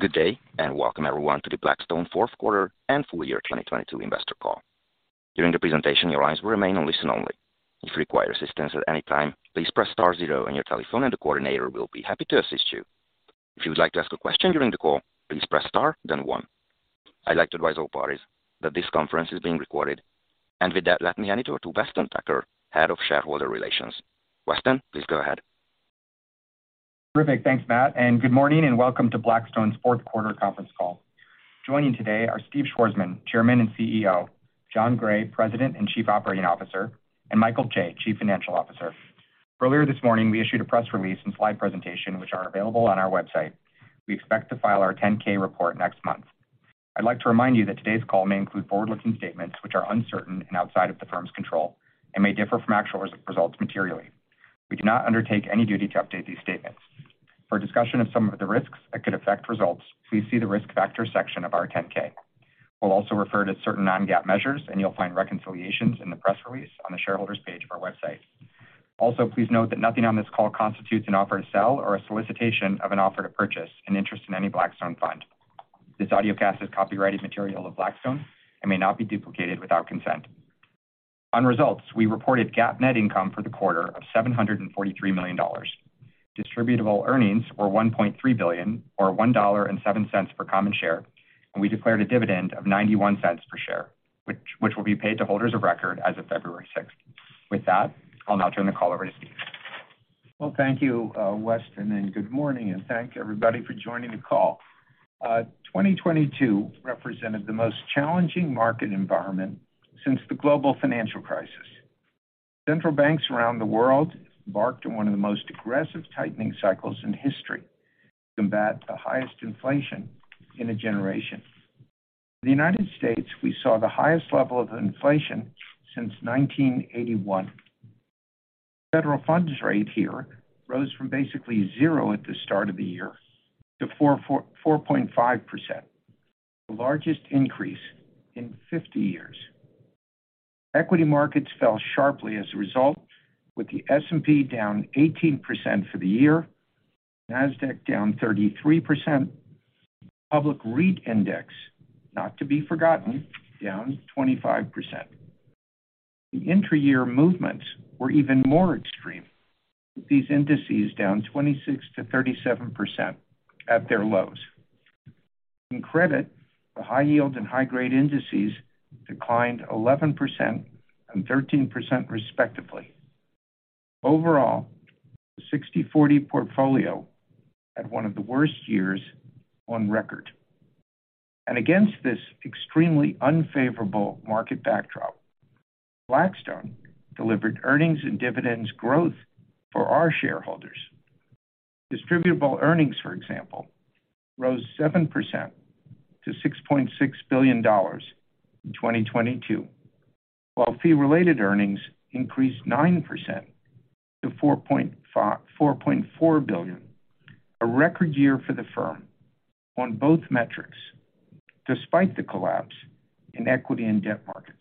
Good day. Welcome everyone to the Blackstone fourth quarter and full year 2022 investor call. During the presentation, your lines will remain on listen only. If you require assistance at any time, please press star zero on your telephone, and the coordinator will be happy to assist you. If you would like to ask a question during the call, please press star, then one. I'd like to advise all parties that this conference is being recorded. With that, let me hand it over to Weston Tucker, Head of Shareholder Relations. Weston, please go ahead. Terrific. Thanks, Matt, and good morning and welcome to Blackstone's fourth quarter conference call. Joining today are Steve Schwarzman, Chairman and CEO, Jon Gray, President and Chief Operating Officer, and Michael Chae, Chief Financial Officer. Earlier this morning, we issued a press release and slide presentation, which are available on our website. We expect to file our 10-K report next month. I'd like to remind you that today's call may include forward-looking statements which are uncertain and outside of the firm's control and may differ from actual results materially. We do not undertake any duty to update these statements. For a discussion of some of the risks that could affect results, please see the Risk Factors section of our 10-K. We'll also refer to certain non-GAAP measures, and you'll find reconciliations in the press release on the Shareholders page of our website. Also, please note that nothing on this call constitutes an offer to sell or a solicitation of an offer to purchase an interest in any Blackstone fund. This audiocast is copyrighted material of Blackstone and may not be duplicated without consent. On results, we reported GAAP net income for the quarter of $743 million. Distributable earnings were $1.3 billion or $1.07 per common share, and we declared a dividend of $0.91 per share, which will be paid to holders of record as of February 6th. With that, I'll now turn the call over to Steve. Well, thank you, Weston, good morning, thank you, everybody for joining the call. 2022 represented the most challenging market environment since the global financial crisis. Central banks around the world embarked on one of the most aggressive tightening cycles in history to combat the highest inflation in a generation. The United States, we saw the highest level of inflation since 1981. Federal funds rate here rose from basically zero at the start of the year to 4.5%, the largest increase in 50 years. Equity markets fell sharply as a result, with the S&P down 18% for the year, Nasdaq down 33%. Public REIT index, not to be forgotten, down 25%. The intra-year movements were even more extreme, with these indices down 26%-37% at their lows. In credit, the high yield and high-grade indices declined 11% and 13%, respectively. Overall, the 60/40 portfolio had one of the worst years on record. Against this extremely unfavorable market backdrop, Blackstone delivered earnings and dividends growth for our shareholders. Distributable earnings, for example, rose 7% to $6.6 billion in 2022, while fee-related earnings increased 9% to $4.4 billion. A record year for the firm on both metrics despite the collapse in equity and debt markets.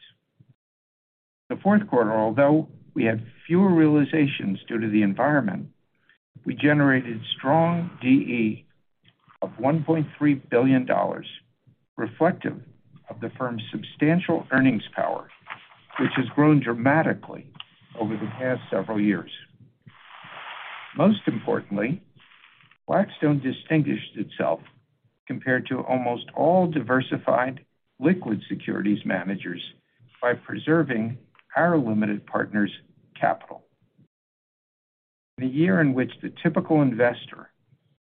The fourth quarter, although we had fewer realizations due to the environment, we generated strong DE of $1.3 billion, reflective of the firm's substantial earnings power, which has grown dramatically over the past several years. Most importantly, Blackstone distinguished itself compared to almost all diversified liquid securities managers by preserving our limited partners' capital. In a year in which the typical investor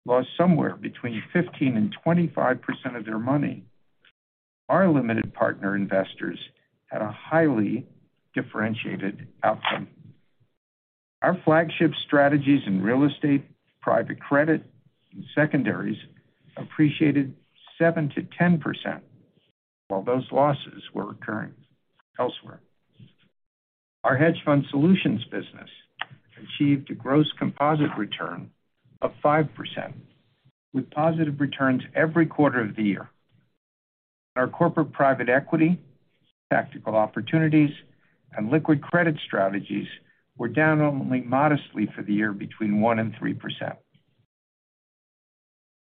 lost somewhere between 15% and 25% of their money, our limited partner investors had a highly differentiated outcome. Our flagship strategies in real estate, private credit, and secondaries appreciated 7%-10% while those losses were occurring elsewhere. Our hedge fund solutions business achieved a gross composite return of 5%, with positive returns every quarter of the year. Our corporate private equity, tactical opportunities, and liquid credit strategies were down only modestly for the year between 1% and 3%.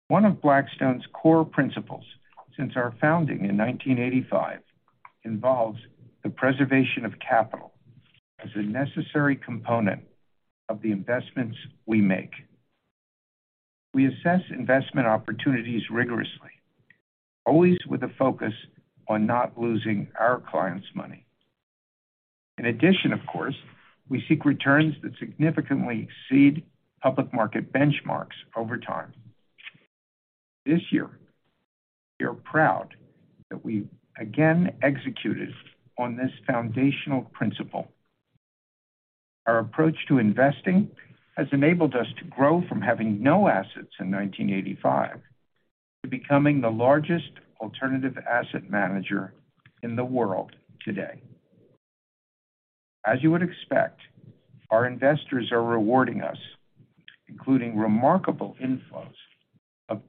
One of Blackstone's core principles since our founding in 1985 involves the preservation of capital as a necessary component of the investments we make. We assess investment opportunities rigorously, always with a focus on not losing our clients' money. In addition, of course, we seek returns that significantly exceed public market benchmarks over time. This year, we are proud that we again executed on this foundational principle. Our approach to investing has enabled us to grow from having no assets in 1985 to becoming the largest alternative asset manager in the world today. As you would expect, our investors are rewarding us, including remarkable inflows of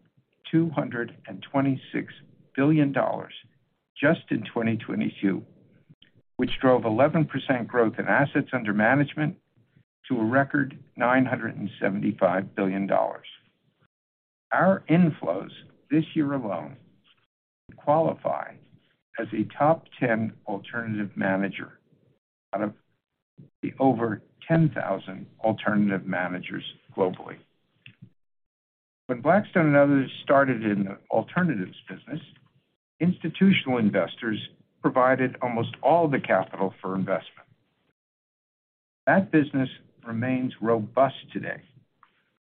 $226 billion just in 2022. Which drove 11% growth in assets under management to a record $975 billion. Our inflows this year alone qualify as a top 10 alternative manager out of the over 10,000 alternative managers globally. When Blackstone and others started in the alternatives business, institutional investors provided almost all the capital for investment. That business remains robust today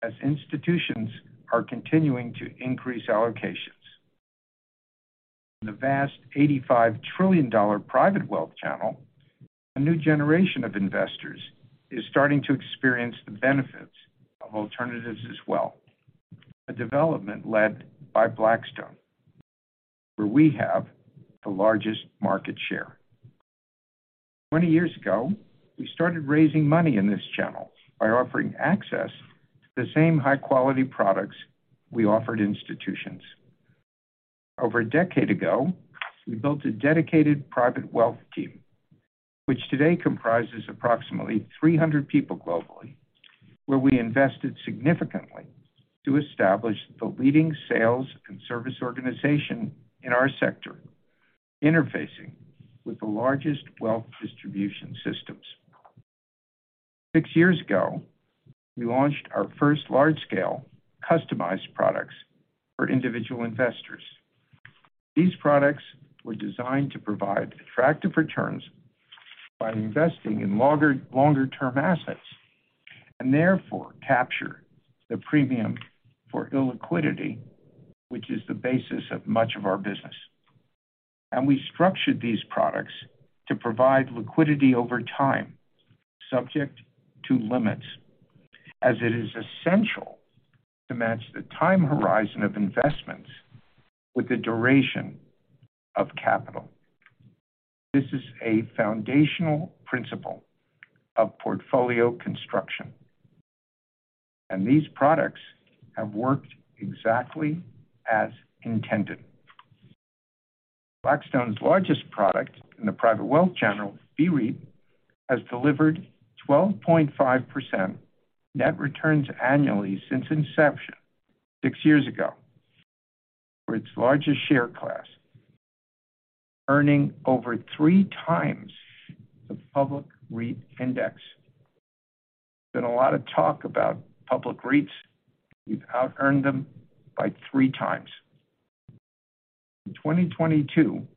as institutions are continuing to increase allocations. The vast $85 trillion private wealth channel, a new generation of investors is starting to experience the benefits of alternatives as well. A development led by Blackstone, where we have the largest market share. 20 years ago, we started raising money in this channel by offering access to the same high-quality products we offered institutions. Over a decade ago, we built a dedicated private wealth team, which today comprises approximately 300 people globally, where we invested significantly to establish the leading sales and service organization in our sector, interfacing with the largest wealth distribution systems. Six years ago, we launched our first large-scale customized products for individual investors. These products were designed to provide attractive returns by investing in longer-term assets and therefore capture the premium for illiquidity, which is the basis of much of our business. We structured these products to provide liquidity over time, subject to limits, as it is essential to match the time horizon of investments with the duration of capital. This is a foundational principle of portfolio construction, and these products have worked exactly as intended. Blackstone's largest product in the private wealth channel, BREIT, has delivered 12.5% net returns annually since inception six years ago for its largest share class, earning over 3x the public REIT index. There's been a lot of talk about public REITs. We've outearned them by 3x. In 2022,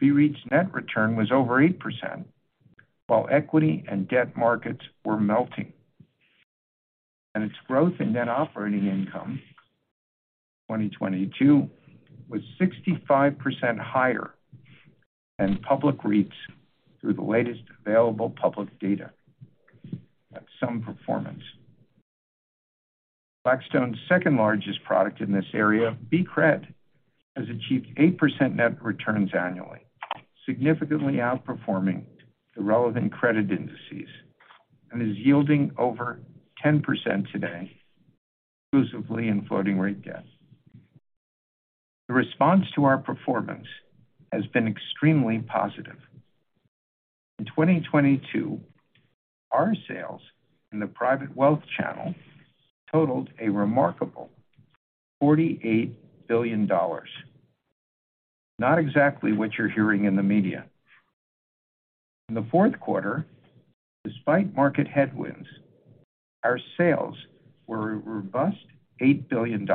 BREIT's net return was over 8%, while equity and debt markets were melting. Its growth in net operating income, 2022, was 65% higher than public REITs through the latest available public data. That's some performance. Blackstone's second-largest product in this area, BCRED, has achieved 8% net returns annually, significantly outperforming the relevant credit indices, and is yielding over 10% today, exclusively in floating rate debt. The response to our performance has been extremely positive. In 2022, our sales in the private wealth channel totaled a remarkable $48 billion. Not exactly what you're hearing in the media. In the fourth quarter, despite market headwinds, our sales were a robust $8 billion,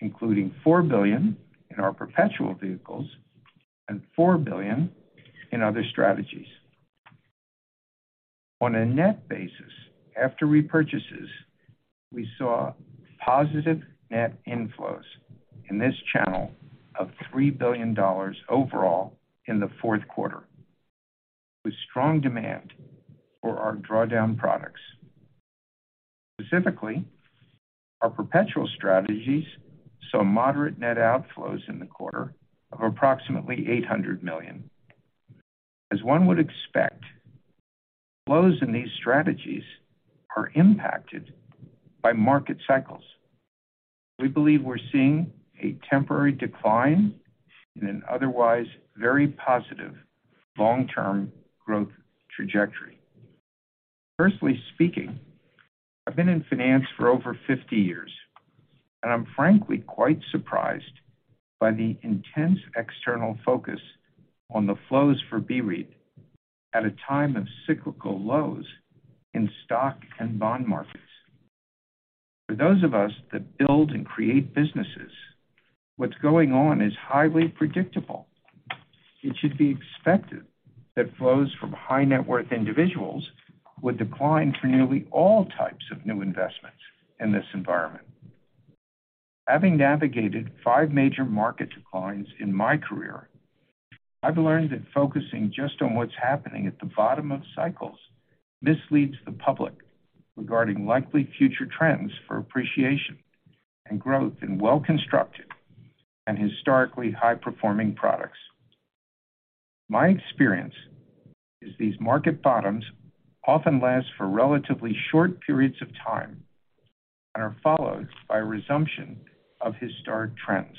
including $4 billion in our perpetual vehicles and $4 billion in other strategies. On a net basis, after repurchases, we saw positive net inflows in this channel of $3 billion overall in the fourth quarter, with strong demand for our drawdown products. Specifically, our perpetual strategies saw moderate net outflows in the quarter of approximately $800 million. As one would expect, flows in these strategies are impacted by market cycles. We believe we're seeing a temporary decline in an otherwise very positive long-term growth trajectory. Personally speaking, I've been in finance for over 50 years, and I'm frankly quite surprised by the intense external focus on the flows for BREIT at a time of cyclical lows in stock and bond markets. For those of us that build and create businesses, what's going on is highly predictable. It should be expected that flows from high net worth individuals would decline for nearly all types of new investments in this environment. Having navigated 5 major market declines in my career, I've learned that focusing just on what's happening at the bottom of cycles misleads the public regarding likely future trends for appreciation and growth in well-constructed and historically high-performing products. My experience is these market bottoms often last for relatively short periods of time. Are followed by resumption of historic trends.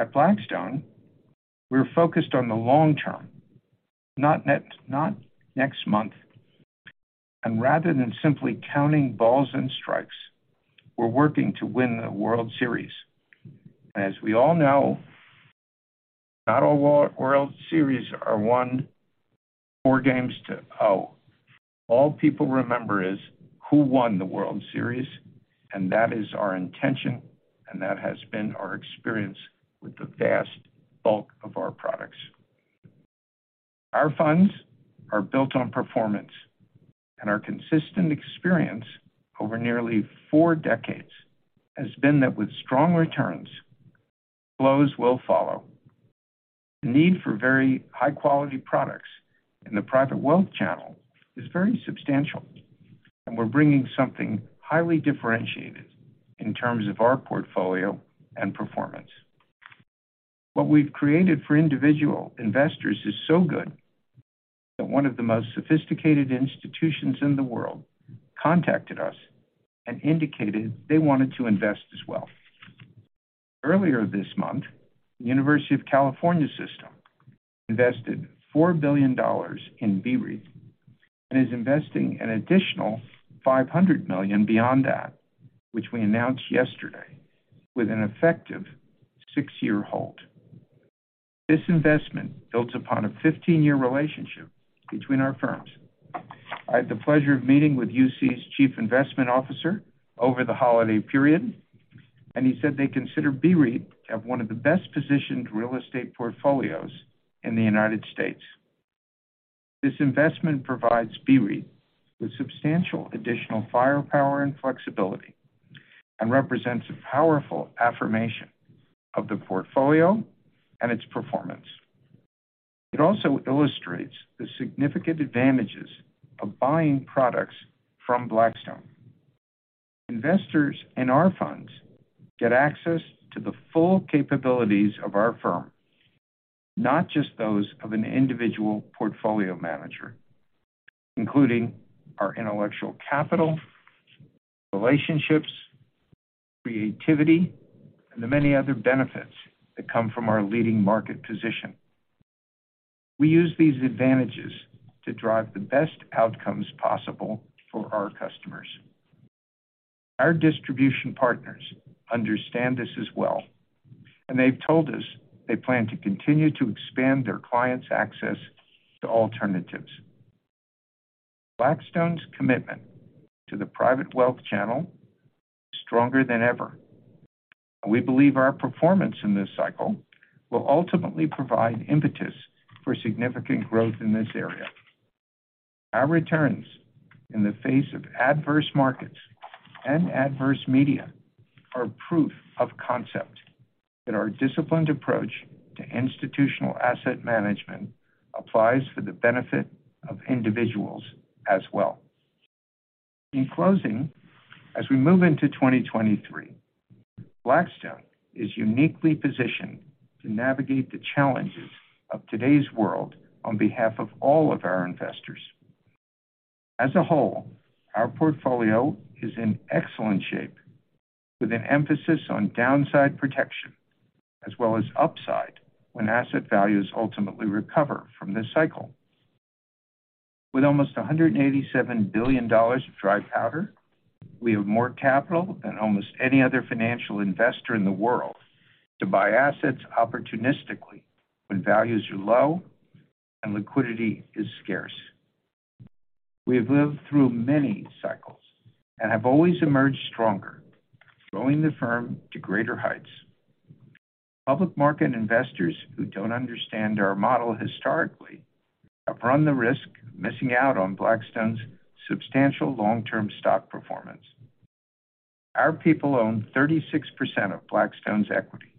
At Blackstone, we're focused on the long term, not net, not next month. Rather than simply counting balls and strikes, we're working to win the World Series. As we all know, not all World Series are won four games to zero. All people remember is who won the World Series, and that is our intention, and that has been our experience with the vast bulk of our products. Our funds are built on performance, and our consistent experience over nearly four decades has been that with strong returns, flows will follow. Need for very high-quality products in the private wealth channel is very substantial, and we're bringing something highly differentiated in terms of our portfolio and performance. What we've created for individual investors is so good that one of the most sophisticated institutions in the world contacted us and indicated they wanted to invest as well. Earlier this month, the University of California system invested $4 billion in BREIT and is investing an additional $500 million beyond that, which we announced yesterday, with an effective six-year hold. This investment builds upon a 15-year relationship between our firms. I had the pleasure of meeting with UC's Chief Investment Officer over the holiday period, and he said they consider BREIT as one of the best-positioned real estate portfolios in the United States. This investment provides BREIT with substantial additional firepower and flexibility and represents a powerful affirmation of the portfolio and its performance. It also illustrates the significant advantages of buying products from Blackstone. Investors in our funds get access to the full capabilities of our firm, not just those of an individual portfolio manager, including our intellectual capital, relationships, creativity, and the many other benefits that come from our leading market position. We use these advantages to drive the best outcomes possible for our customers. Our distribution partners understand this as well, and they've told us they plan to continue to expand their clients' access to alternatives. Blackstone's commitment to the private wealth channel is stronger than ever, and we believe our performance in this cycle will ultimately provide impetus for significant growth in this area. Our returns in the face of adverse markets and adverse media are proof of concept that our disciplined approach to institutional asset management applies for the benefit of individuals as well. In closing, as we move into 2023, Blackstone is uniquely positioned to navigate the challenges of today's world on behalf of all of our investors. As a whole, our portfolio is in excellent shape with an emphasis on downside protection, as well as upside when asset values ultimately recover from this cycle. With almost $187 billion of dry powder, we have more capital than almost any other financial investor in the world to buy assets opportunistically when values are low and liquidity is scarce. We have lived through many cycles and have always emerged stronger, growing the firm to greater heights. Public market investors who don't understand our model historically have run the risk of missing out on Blackstone's substantial long-term stock performance. Our people own 36% of Blackstone's equity.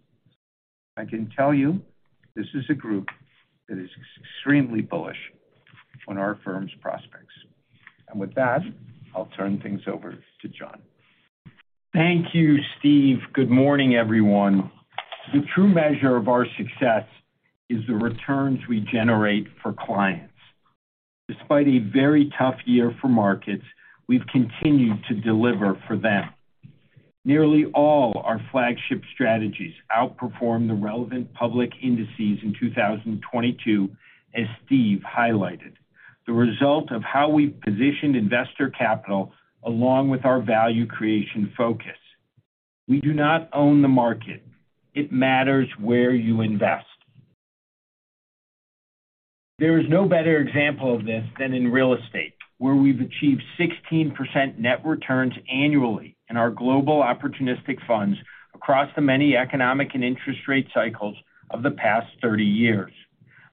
I can tell you this is a group that is extremely bullish on our firm's prospects. With that, I'll turn things over to Jon. Thank you, Steve. Good morning, everyone. The true measure of our success is the returns we generate for clients. Despite a very tough year for markets, we've continued to deliver for them. Nearly all our flagship strategies outperformed the relevant public indices in 2022, as Steve highlighted. The result of how we positioned investor capital along with our value creation focus. We do not own the market. It matters where you invest. There is no better example of this than in real estate, where we've achieved 16% net returns annually in our global opportunistic funds across the many economic and interest rate cycles of the past 30 years.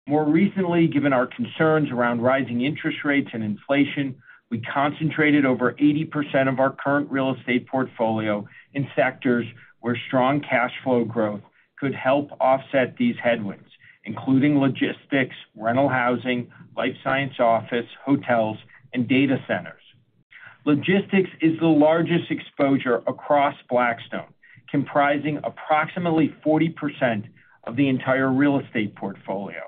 More recently, given our concerns around rising interest rates and inflation, we concentrated over 80% of our current real estate portfolio in sectors where strong cash flow growth could help offset these headwinds, including logistics, rental housing, life science office, hotels, and data centers. Logistics is the largest exposure across Blackstone, comprising approximately 40% of the entire real estate portfolio.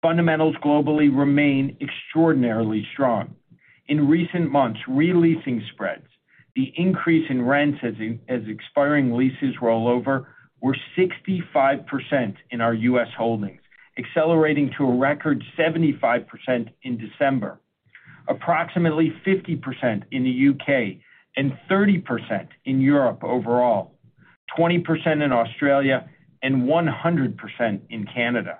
Fundamentals globally remain extraordinarily strong. In recent months, re-leasing spreads, the increase in rents as expiring leases roll over were 65% in our U.S. holdings, accelerating to a record 75% in December. Approximately 50% in the U.K. and 30% in Europe overall, 20% in Australia and 100% in Canada.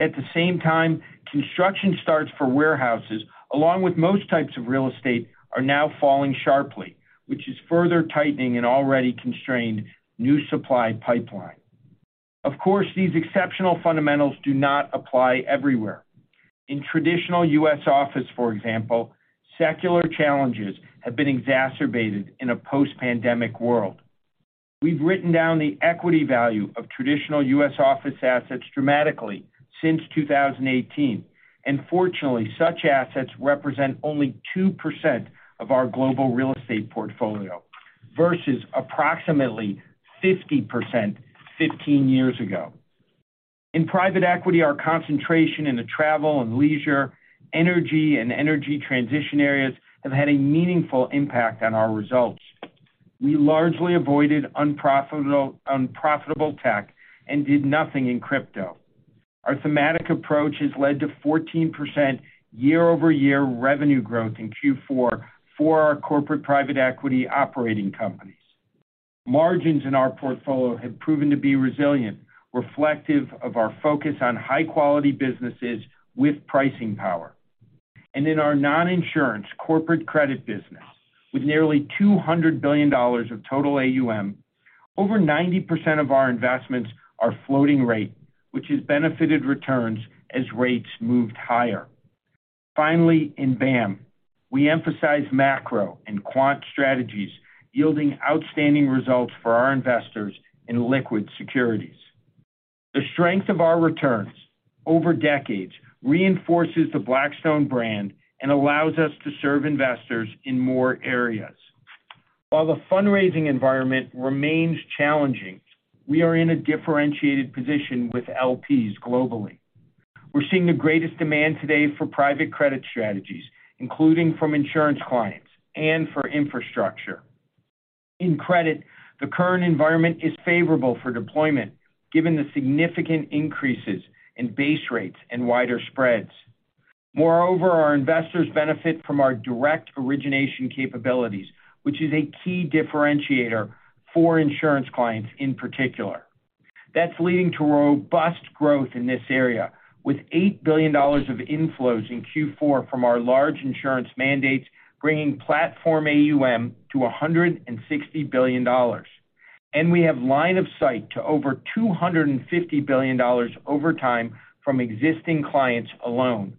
At the same time, construction starts for warehouses, along with most types of real estate, are now falling sharply, which is further tightening an already constrained new supply pipeline. Of course, these exceptional fundamentals do not apply everywhere. In traditional U.S. office, for example, secular challenges have been exacerbated in a post-pandemic world. We've written down the equity value of traditional U.S. office assets dramatically since 2018, and fortunately, such assets represent only 2% of our global real estate portfolio, versus approximately 50% 15 years ago. In private equity, our concentration in the travel and leisure, energy and energy transition areas have had a meaningful impact on our results. We largely avoided unprofitable tech and did nothing in crypto. Our thematic approach has led to 14% year-over-year revenue growth in Q4 for our corporate private equity operating companies. Margins in our portfolio have proven to be resilient, reflective of our focus on high-quality businesses with pricing power. In our non-insurance corporate credit business, with nearly $200 billion of total AUM, over 90% of our investments are floating rate, which has benefited returns as rates moved higher. Finally, in BAAM, we emphasize macro and quant strategies yielding outstanding results for our investors in liquid securities. The strength of our returns over decades reinforces the Blackstone brand and allows us to serve investors in more areas. While the fundraising environment remains challenging, we are in a differentiated position with LPs globally. We're seeing the greatest demand today for private credit strategies, including from insurance clients and for infrastructure. In credit, the current environment is favorable for deployment given the significant increases in base rates and wider spreads. Moreover, our investors benefit from our direct origination capabilities, which is a key differentiator for insurance clients in particular. That's leading to robust growth in this area, with $8 billion of inflows in Q4 from our large insurance mandates, bringing platform AUM to $160 billion. We have line of sight to over $250 billion over time from existing clients alone.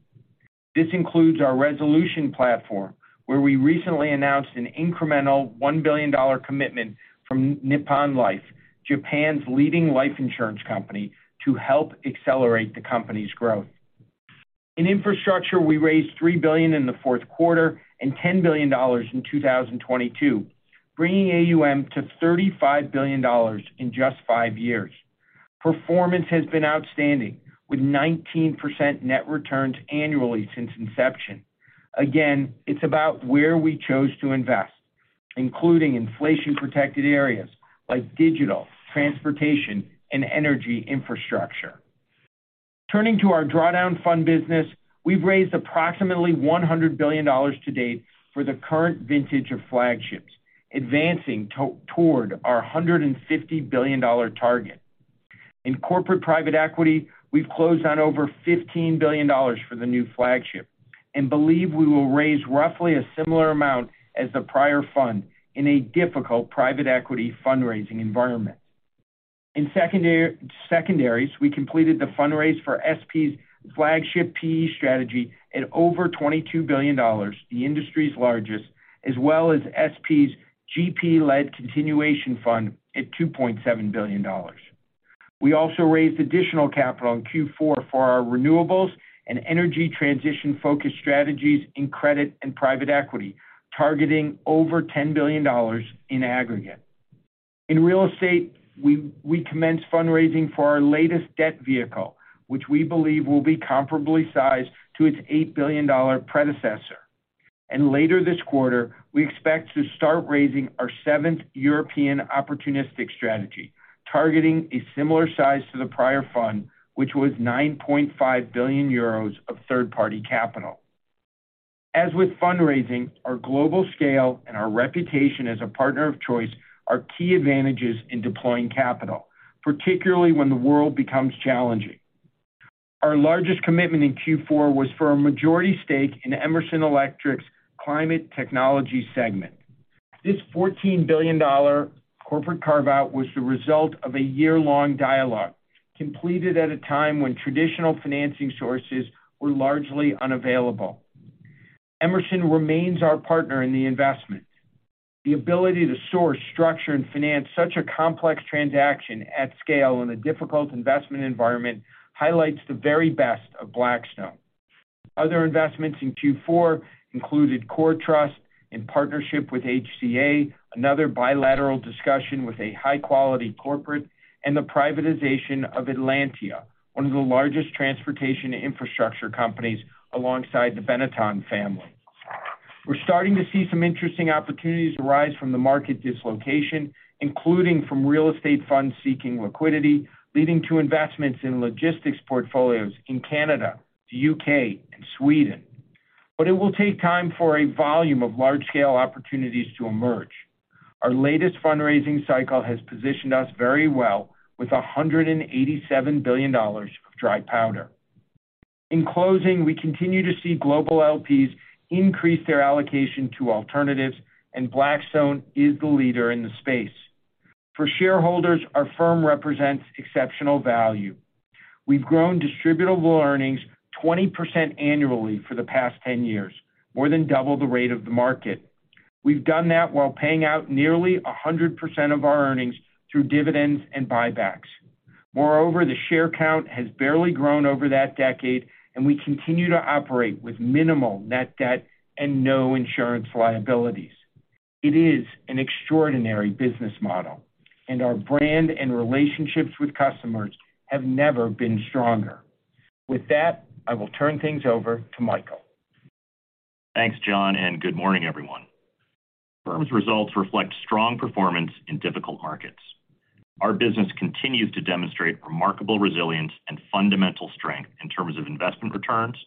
This includes our Resolution platform, where we recently announced an incremental $1 billion commitment from Nippon Life, Japan's leading life insurance company, to help accelerate the company's growth. In infrastructure, we raised $3 billion in the fourth quarter and $10 billion in 2022, bringing AUM to $35 billion in just five years. Performance has been outstanding, with 19% net returns annually since inception. Again, it's about where we chose to invest, including inflation-protected areas like digital, transportation, and energy infrastructure. Turning to our drawdown fund business, we've raised approximately $100 billion to date for the current vintage of flagships, advancing toward our $150 billion target. In corporate private equity, we've closed on over $15 billion for the new flagship and believe we will raise roughly a similar amount as the prior fund in a difficult private equity fundraising environment. In secondaries, we completed the fundraise for SP's flagship PE strategy at over $22 billion, the industry's largest, as well as SP's GP-led continuation fund at $2.7 billion. We also raised additional capital in Q4 for our renewables and energy transition-focused strategies in credit and private equity, targeting over $10 billion in aggregate. In real estate, we commenced fundraising for our latest debt vehicle, which we believe will be comparably sized to its $8 billion predecessor. Later this quarter, we expect to start raising our seventh European opportunistic strategy, targeting a similar size to the prior fund, which was 9.5 billion euros of third-party capital. As with fundraising, our global scale and our reputation as a partner of choice are key advantages in deploying capital, particularly when the world becomes challenging. Our largest commitment in Q4 was for a majority stake in Emerson Electric's Climate Technologies segment. This $14 billion corporate carve-out was the result of a year-long dialogue completed at a time when traditional financing sources were largely unavailable. Emerson remains our partner in the investment. The ability to source, structure, and finance such a complex transaction at scale in a difficult investment environment highlights the very best of Blackstone. Other investments in Q4 included CoreTrust in partnership with HCA, another bilateral discussion with a high-quality corporate and the privatization of Atlantia, one of the largest transportation infrastructure companies alongside the Benetton family. We're starting to see some interesting opportunities arise from the market dislocation, including from real estate funds seeking liquidity, leading to investments in logistics portfolios in Canada, the U.K. and Sweden. It will take time for a volume of large-scale opportunities to emerge. Our latest fundraising cycle has positioned us very well with $187 billion of dry powder. In closing, we continue to see global LPs increase their allocation to alternatives, and Blackstone is the leader in the space. For shareholders, our firm represents exceptional value. We've grown distributable earnings 20% annually for the past 10 years, more than double the rate of the market. We've done that while paying out nearly 100% of our earnings through dividends and buybacks. Moreover, the share count has barely grown over that decade, and we continue to operate with minimal net debt and no insurance liabilities. It is an extraordinary business model, and our brand and relationships with customers have never been stronger. With that, I will turn things over to Michael. Thanks, Jon. Good morning everyone. Firm's results reflect strong performance in difficult markets. Our business continues to demonstrate remarkable resilience and fundamental strength in terms of investment returns,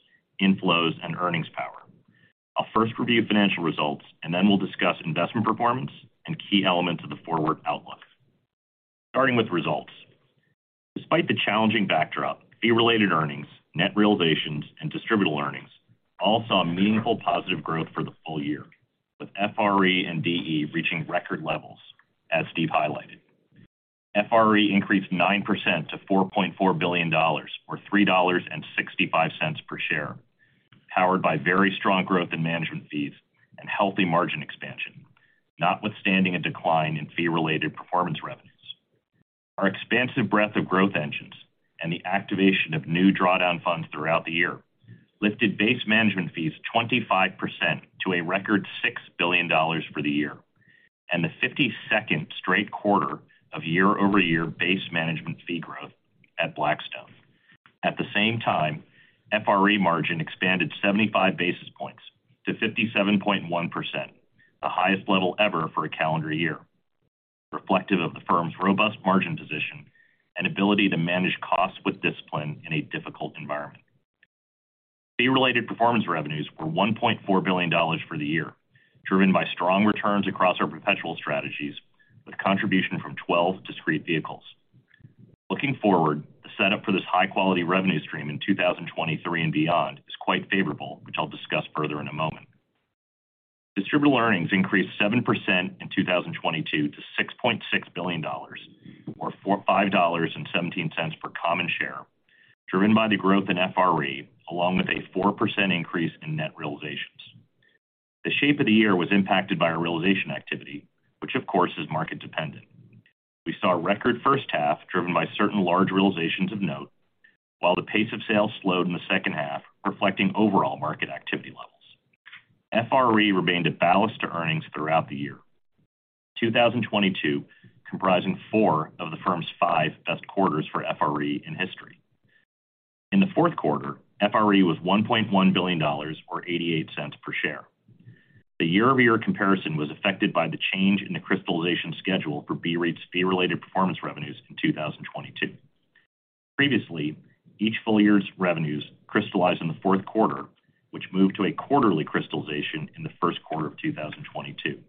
inflows, and earnings power. I'll first review financial results, and then we'll discuss investment performance and key elements of the forward outlook. Starting with results. Despite the challenging backdrop, fee-related earnings, net realizations, and distributable earnings all saw meaningful positive growth for the full year, with FRE and DE reaching record levels, as Steve highlighted. FRE increased 9% to $4.4 billion or $3.65 per share, powered by very strong growth in management fees and healthy margin expansion, notwithstanding a decline in fee-related performance revenues. Our expansive breadth of growth engines and the activation of new drawdown funds throughout the year lifted base management fees 25% to a record $6 billion for the year, and the 52nd straight quarter of year-over-year base management fee growth at Blackstone. At the same time, FRE margin expanded 75 basis points to 57.1%, the highest level ever for a calendar year, reflective of the firm's robust margin position and ability to manage costs with discipline in a difficult environment. Fee related performance revenues were $1.4 billion for the year, driven by strong returns across our perpetual strategies with contribution from 12 discrete vehicles. Looking forward, the setup for this high-quality revenue stream in 2023 and beyond is quite favorable, which I'll discuss further in a moment. Distributable earnings increased 7% in 2022 to $6.6 billion or $5.17 per common share, driven by the growth in FRE, along with a 4% increase in net realizations. The shape of the year was impacted by our realization activity, which of course is market dependent. We saw a record first half driven by certain large realizations of note, while the pace of sales slowed in the second half, reflecting overall market activity levels. FRE remained a ballast to earnings throughout the year. 2022 comprising four of the firm's five best quarters for FRE in history. In the fourth quarter, FRE was $1.1 billion or $0.88 per share. The year-over-year comparison was affected by the change in the crystallization schedule for BREIT's fee-related performance revenues in 2022. Previously, each full year's revenues crystallized in the fourth quarter, which moved to a quarterly crystallization in the first quarter of 2022.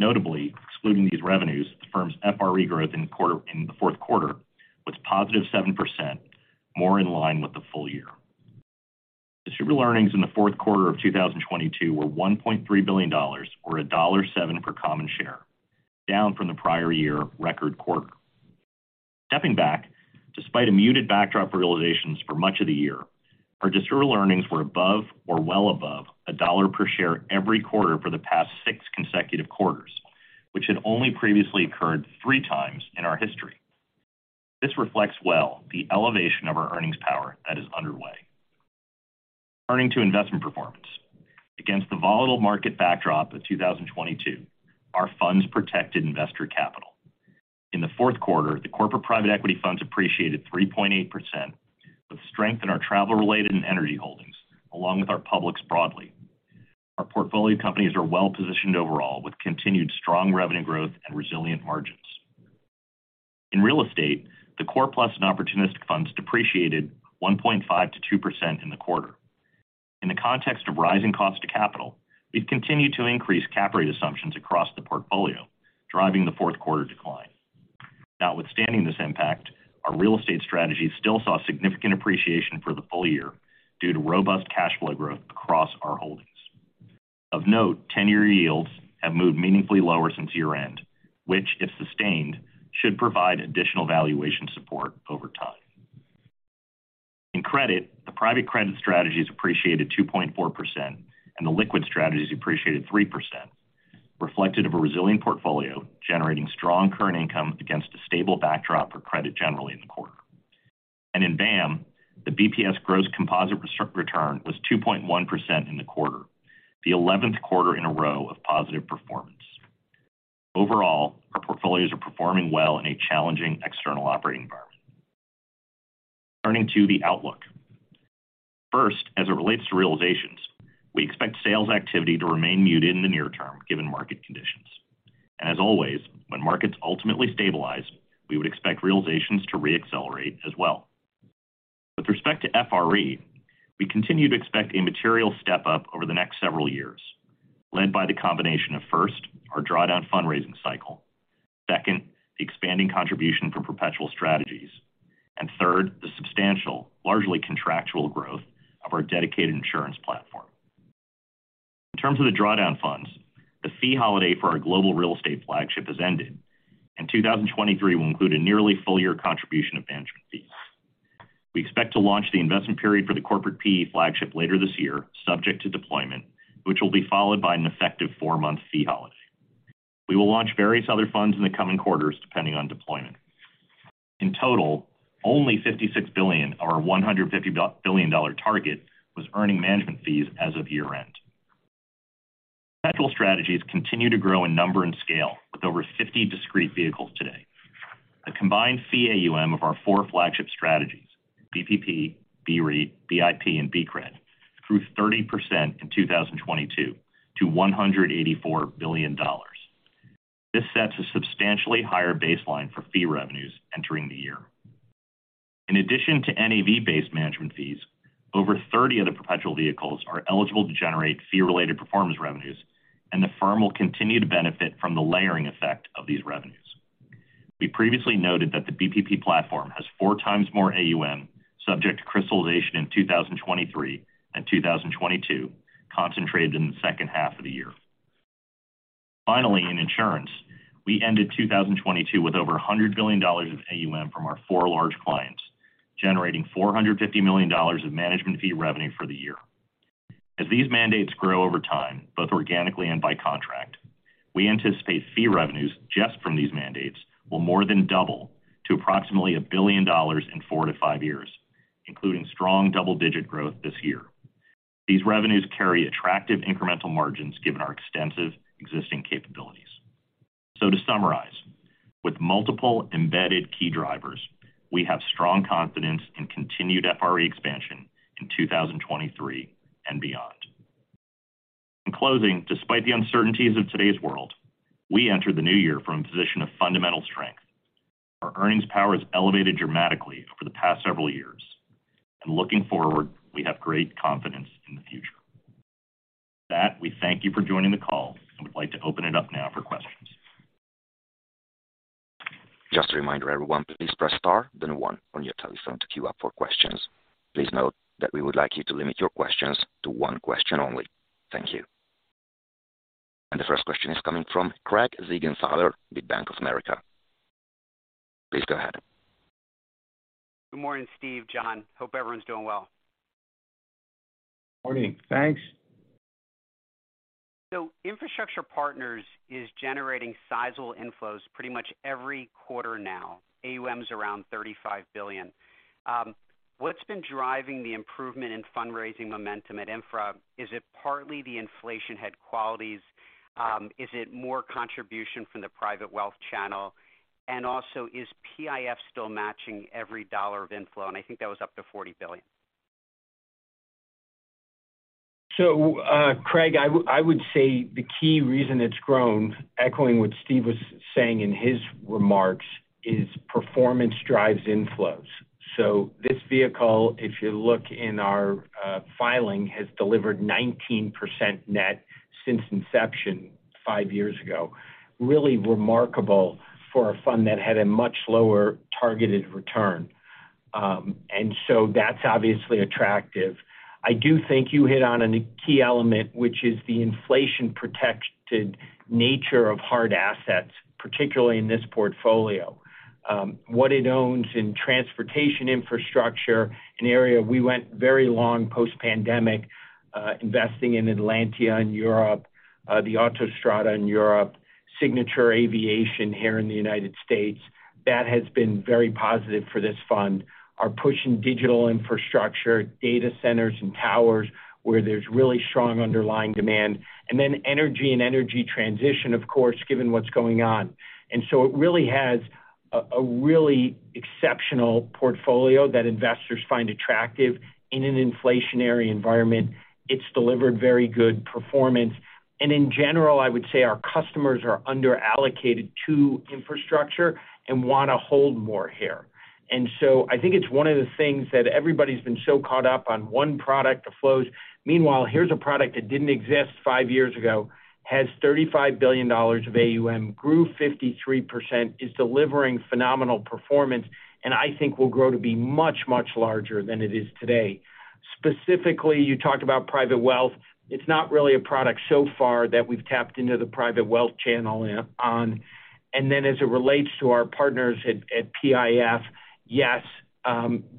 Notably, excluding these revenues, the firm's FRE growth in the fourth quarter was positive 7% more in line with the full year. Distributable earnings in the fourth quarter of 2022 were $1.3 billion or $1.07 per common share, down from the prior year record quarter. Stepping back, despite a muted backdrop for realizations for much of the year, our distributable earnings were above or well above $1 per share every quarter for the past six consecutive quarters, which had only previously occurred three times in our history. This reflects well the elevation of our earnings power that is underway. Turning to investment performance. Against the volatile market backdrop of 2022, our funds protected investor capital. In the fourth quarter, the corporate private equity funds appreciated 3.8%, with strength in our travel related and energy holdings, along with our publics broadly. Our portfolio companies are well-positioned overall with continued strong revenue growth and resilient margins. In real estate, the core plus and opportunistic funds depreciated 1.5%-2% in the quarter. In the context of rising cost to capital, we've continued to increase cap rate assumptions across the portfolio, driving the fourth quarter decline. Notwithstanding this impact, our real estate strategy still saw significant appreciation for the full year due to robust cash flow growth across our holdings. Of note, 10-year yields have moved meaningfully lower since year-end, which, if sustained, should provide additional valuation support over time. In credit, the private credit strategies appreciated 2.4% and the liquid strategies appreciated 3%. Reflected of a resilient portfolio, generating strong current income against a stable backdrop for credit generally in the quarter. In BAAM, the BPS gross composite return was 2.1% in the quarter, the 11th quarter in a row of positive performance. Overall, our portfolios are performing well in a challenging external operating environment. Turning to the outlook. First, as it relates to realizations, we expect sales activity to remain muted in the near term given market conditions. As always, when markets ultimately stabilize, we would expect realizations to re-accelerate as well. With respect to FRE, we continue to expect a material step up over the next several years, led by the combination of, first, our drawdown fundraising cycle, second, the expanding contribution from perpetual strategies, and third, the substantial, largely contractual growth of our dedicated insurance platform. In terms of the drawdown funds, the fee holiday for our global real estate flagship has ended, and 2023 will include a nearly full year contribution of management fees. We expect to launch the investment period for the corporate PE flagship later this year, subject to deployment, which will be followed by an effective four-month fee holiday. We will launch various other funds in the coming quarters depending on deployment. In total, only $56 billion of our $150 billion dollar target was earning management fees as of year-end. Perpetual strategies continue to grow in number and scale with over 50 discrete vehicles today. The combined fee AUM of our four flagship strategies, BPP, BREIT, BIP, and BCRED, grew 30% in 2022 to $184 billion. This sets a substantially higher baseline for fee revenues entering the year. In addition to NAV-based management fees, over 30 of the perpetual vehicles are eligible to generate fee-related performance revenues, and the firm will continue to benefit from the layering effect of these revenues. We previously noted that the BPP platform has four times more AUM subject to crystallization in 2023 and 2022, concentrated in the second half of the year. Finally, in insurance, we ended 2022 with over $100 billion of AUM from our four large clients, generating $450 million of management fee revenue for the year. As these mandates grow over time, both organically and by contract, we anticipate fee revenues just from these mandates will more than double to approximately $1 billion in four to five years, including strong double-digit growth this year. These revenues carry attractive incremental margins given our extensive existing capabilities. To summarize, with multiple embedded key drivers, we have strong confidence in continued FRE expansion in 2023 and beyond. In closing, despite the uncertainties of today's world, we enter the new year from a position of fundamental strength. Our earnings power has elevated dramatically over the past several years, and looking forward, we have great confidence in the future. With that, we thank you for joining the call and would like to open it up now for questions. Just a reminder, everyone, please press star then one on your telephone to queue up for questions. Please note that we would like you to limit your questions to one question only. Thank you. The first question is coming from Craig Siegenthaler with Bank of America. Please go ahead. Good morning, Steve, Jon. Hope everyone's doing well. Morning. Thanks. Infrastructure Partners is generating sizable inflows pretty much every quarter now. AUM is around $35 billion. What has been driving the improvement in fundraising momentum at Infra? Is it partly the inflation-hedge qualities? Is it more contribution from the private wealth channel? Is PIF still matching every dollar of inflow? I think that was up to $40 billion. Craig, I would say the key reason it's grown, echoing what Steve was saying in his remarks, is performance drives inflows. This vehicle, if you look in our filing, has delivered 19% net since inception five years ago, really remarkable for a fund that had a much lower targeted return. That's obviously attractive. I do think you hit on a key element, which is the inflation-protected nature of hard assets, particularly in this portfolio. What it owns in transportation infrastructure, an area we went very long post-pandemic, investing in Atlantia in Europe, the Autostrade in Europe, Signature Aviation here in the United States. That has been very positive for this fund. Our push in digital infrastructure, data centers and towers, where there's really strong underlying demand. Energy and energy transition, of course, given what's going on. It really has a really exceptional portfolio that investors find attractive in an inflationary environment. It's delivered very good performance. In general, I would say our customers are underallocated to infrastructure and wanna hold more here. I think it's one of the things that everybody's been so caught up on one product, the flows. Meanwhile, here's a product that didn't exist five years ago, has $35 billion of AUM, grew 53%, is delivering phenomenal performance, and I think will grow to be much, much larger than it is today. Specifically, you talked about private wealth. It's not really a product so far that we've tapped into the private wealth channel on. As it relates to our partners at PIF, yes,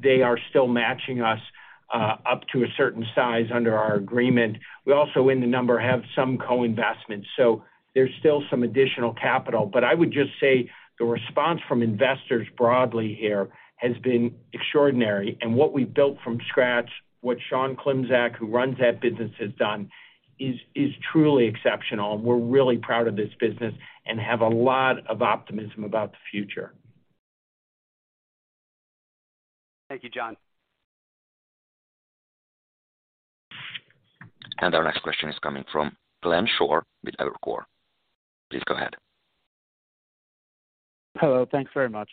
they are still matching us up to a certain size under our agreement. We also, in the number, have some co-investments, so there's still some additional capital. I would just say the response from investors broadly here has been extraordinary. What we've built from scratch, what Sean Klimczak, who runs that business, has done is truly exceptional. We're really proud of this business and have a lot of optimism about the future. Thank you, Jon. Our next question is coming from Glenn Schorr with Evercore ISI. Please go ahead. Hello. Thanks very much.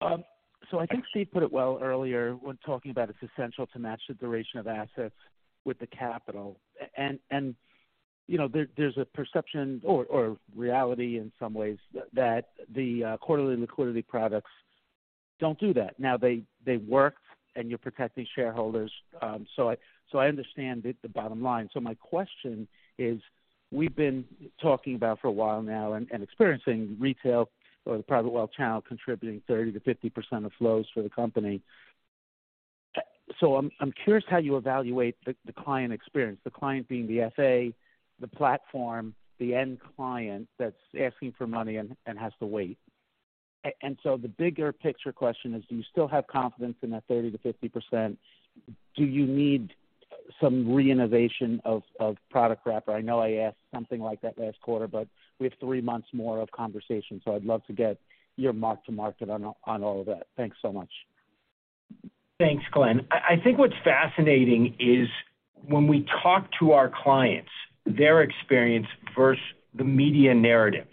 I think Steve put it well earlier when talking about it's essential to match the duration of assets with the capital. And you know, there's a perception or reality in some ways that the quarterly and liquidity products don't do that. They work, and you're protecting shareholders, so I understand the bottom line. My question is, we've been talking about for a while now and experiencing retail or the private wealth channel contributing 30%-50% of flows for the company. I'm curious how you evaluate the client experience, the client being the FA, the platform, the end client that's asking for money and has to wait. The bigger picture question is, do you still have confidence in that 30%-50%? Do you need some re-innovation of product wrapper? I know I asked something like that last quarter, but we have three months more of conversation, so I'd love to get your mark-to-market on all of that. Thanks so much. Thanks, Glenn. I think what's fascinating is when we talk to our clients, their experience versus the media narrative.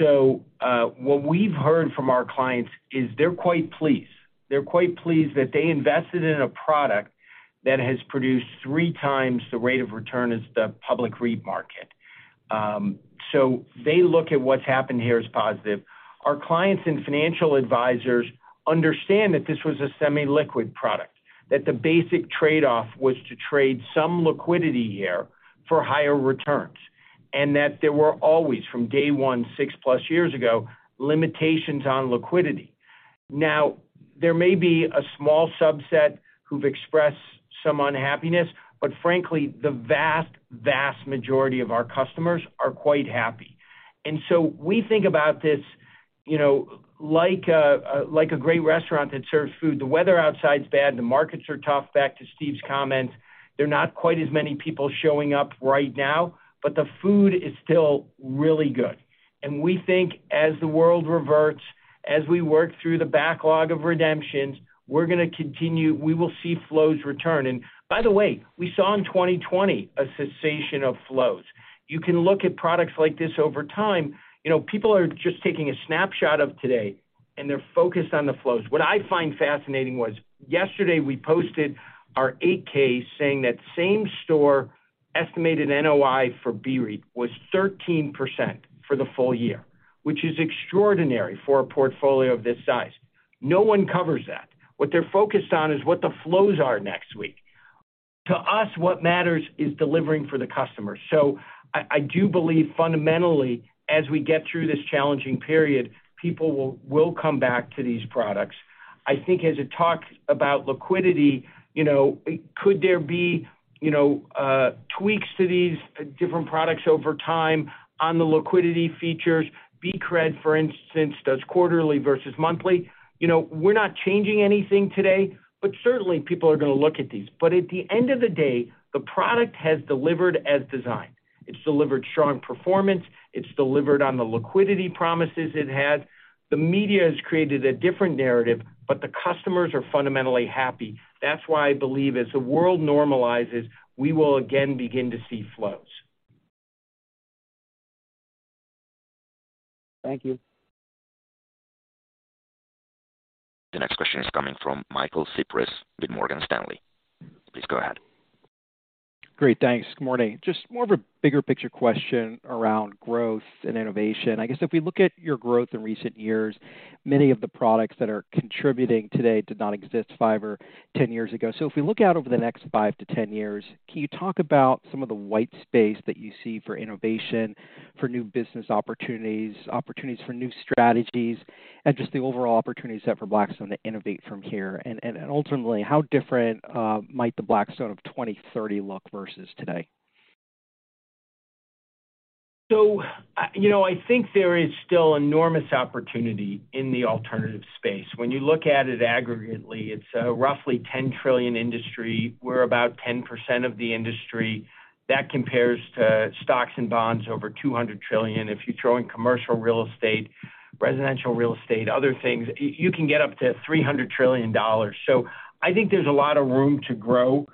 What we've heard from our clients is they're quite pleased. They're quite pleased that they invested in a product that has produced 3x the rate of return as the public REIT market. They look at what's happened here as positive. Our clients and financial advisors understand that this was a semi-liquid product, that the basic trade-off was to trade some liquidity here for higher returns, and that there were always, from day one, 6+ years ago, limitations on liquidity. Now, there may be a small subset who've expressed some unhappiness, but frankly, the vast majority of our customers are quite happy. We think about this, you know, like a like a great restaurant that serves food. The weather outside's bad, the markets are tough. Back to Steve's comments, there are not quite as many people showing up right now, but the food is still really good. We think as the world reverts, as we work through the backlog of redemptions, we're gonna continue. We will see flows return. By the way, we saw in 2020 a cessation of flows. You can look at products like this over time. You know, people are just taking a snapshot of today, and they're focused on the flows. What I find fascinating was yesterday we posted our 8-K saying that same store estimated NOI for BREIT was 13% for the full year, which is extraordinary for a portfolio of this size. No one covers that. What they're focused on is what the flows are next week. To us, what matters is delivering for the customer. I do believe fundamentally, as we get through this challenging period, people will come back to these products. I think as it talks about liquidity, you know, could there be, you know, tweaks to these different products over time on the liquidity features? BCRED, for instance, does quarterly versus monthly. You know, we're not changing anything today, but certainly people are going to look at these. At the end of the day, the product has delivered as designed. It's delivered strong performance. It's delivered on the liquidity promises it had. The media has created a different narrative, but the customers are fundamentally happy. That's why I believe as the world normalizes, we will again begin to see flows. Thank you. The next question is coming from Michael Cyprys with Morgan Stanley. Please go ahead. Great, thanks. Good morning. Just more of a bigger picture question around growth and innovation. I guess if we look at your growth in recent years, many of the products that are contributing today did not exist five or 10 years ago. If we look out over the next five to 10 years, can you talk about some of the white space that you see for innovation, for new business opportunities for new strategies, and just the overall opportunities that for Blackstone to innovate from here? Ultimately, how different might the Blackstone of 2030 look versus today? You know, I think there is still enormous opportunity in the alternative space. When you look at it aggregately, it's a roughly $10 trillion industry. We're about 10% of the industry. That compares to stocks and bonds over $200 trillion. If you throw in commercial real estate, residential real estate, other things, you can get up to $300 trillion. I think there's a lot of room to grow,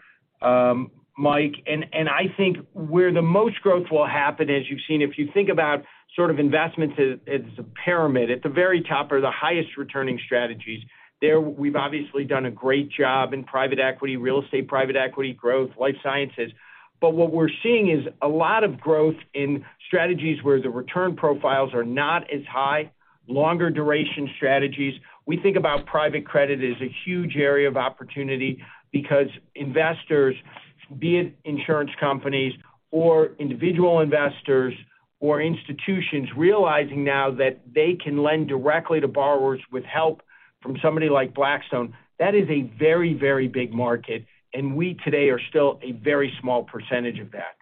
Mike. I think where the most growth will happen, as you've seen, if you think about sort of investments as a pyramid, at the very top are the highest returning strategies. There we've obviously done a great job in private equity, real estate, private equity growth, life sciences. What we're seeing is a lot of growth in strategies where the return profiles are not as high, longer duration strategies. We think about private credit as a huge area of opportunity because investors, be it insurance companies or individual investors or institutions, realizing now that they can lend directly to borrowers with help from somebody like Blackstone, that is a very, very big market, and we today are still a very small percentage of that.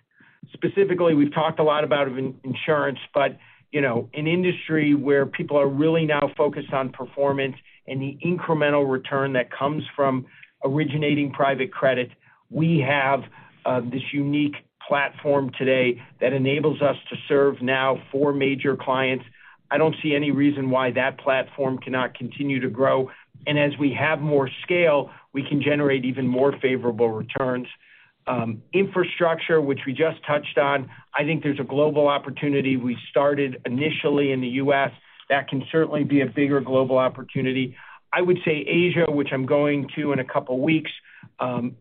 Specifically, we've talked a lot about in insurance, but, you know, an industry where people are really now focused on performance and the incremental return that comes from originating private credit. We have this unique platform today that enables us to serve now four major clients. I don't see any reason why that platform cannot continue to grow. As we have more scale, we can generate even more favorable returns. Infrastructure, which we just touched on, I think there's a global opportunity. We started initially in the U.S. That can certainly be a bigger global opportunity. I would say Asia, which I'm going to in a couple of weeks,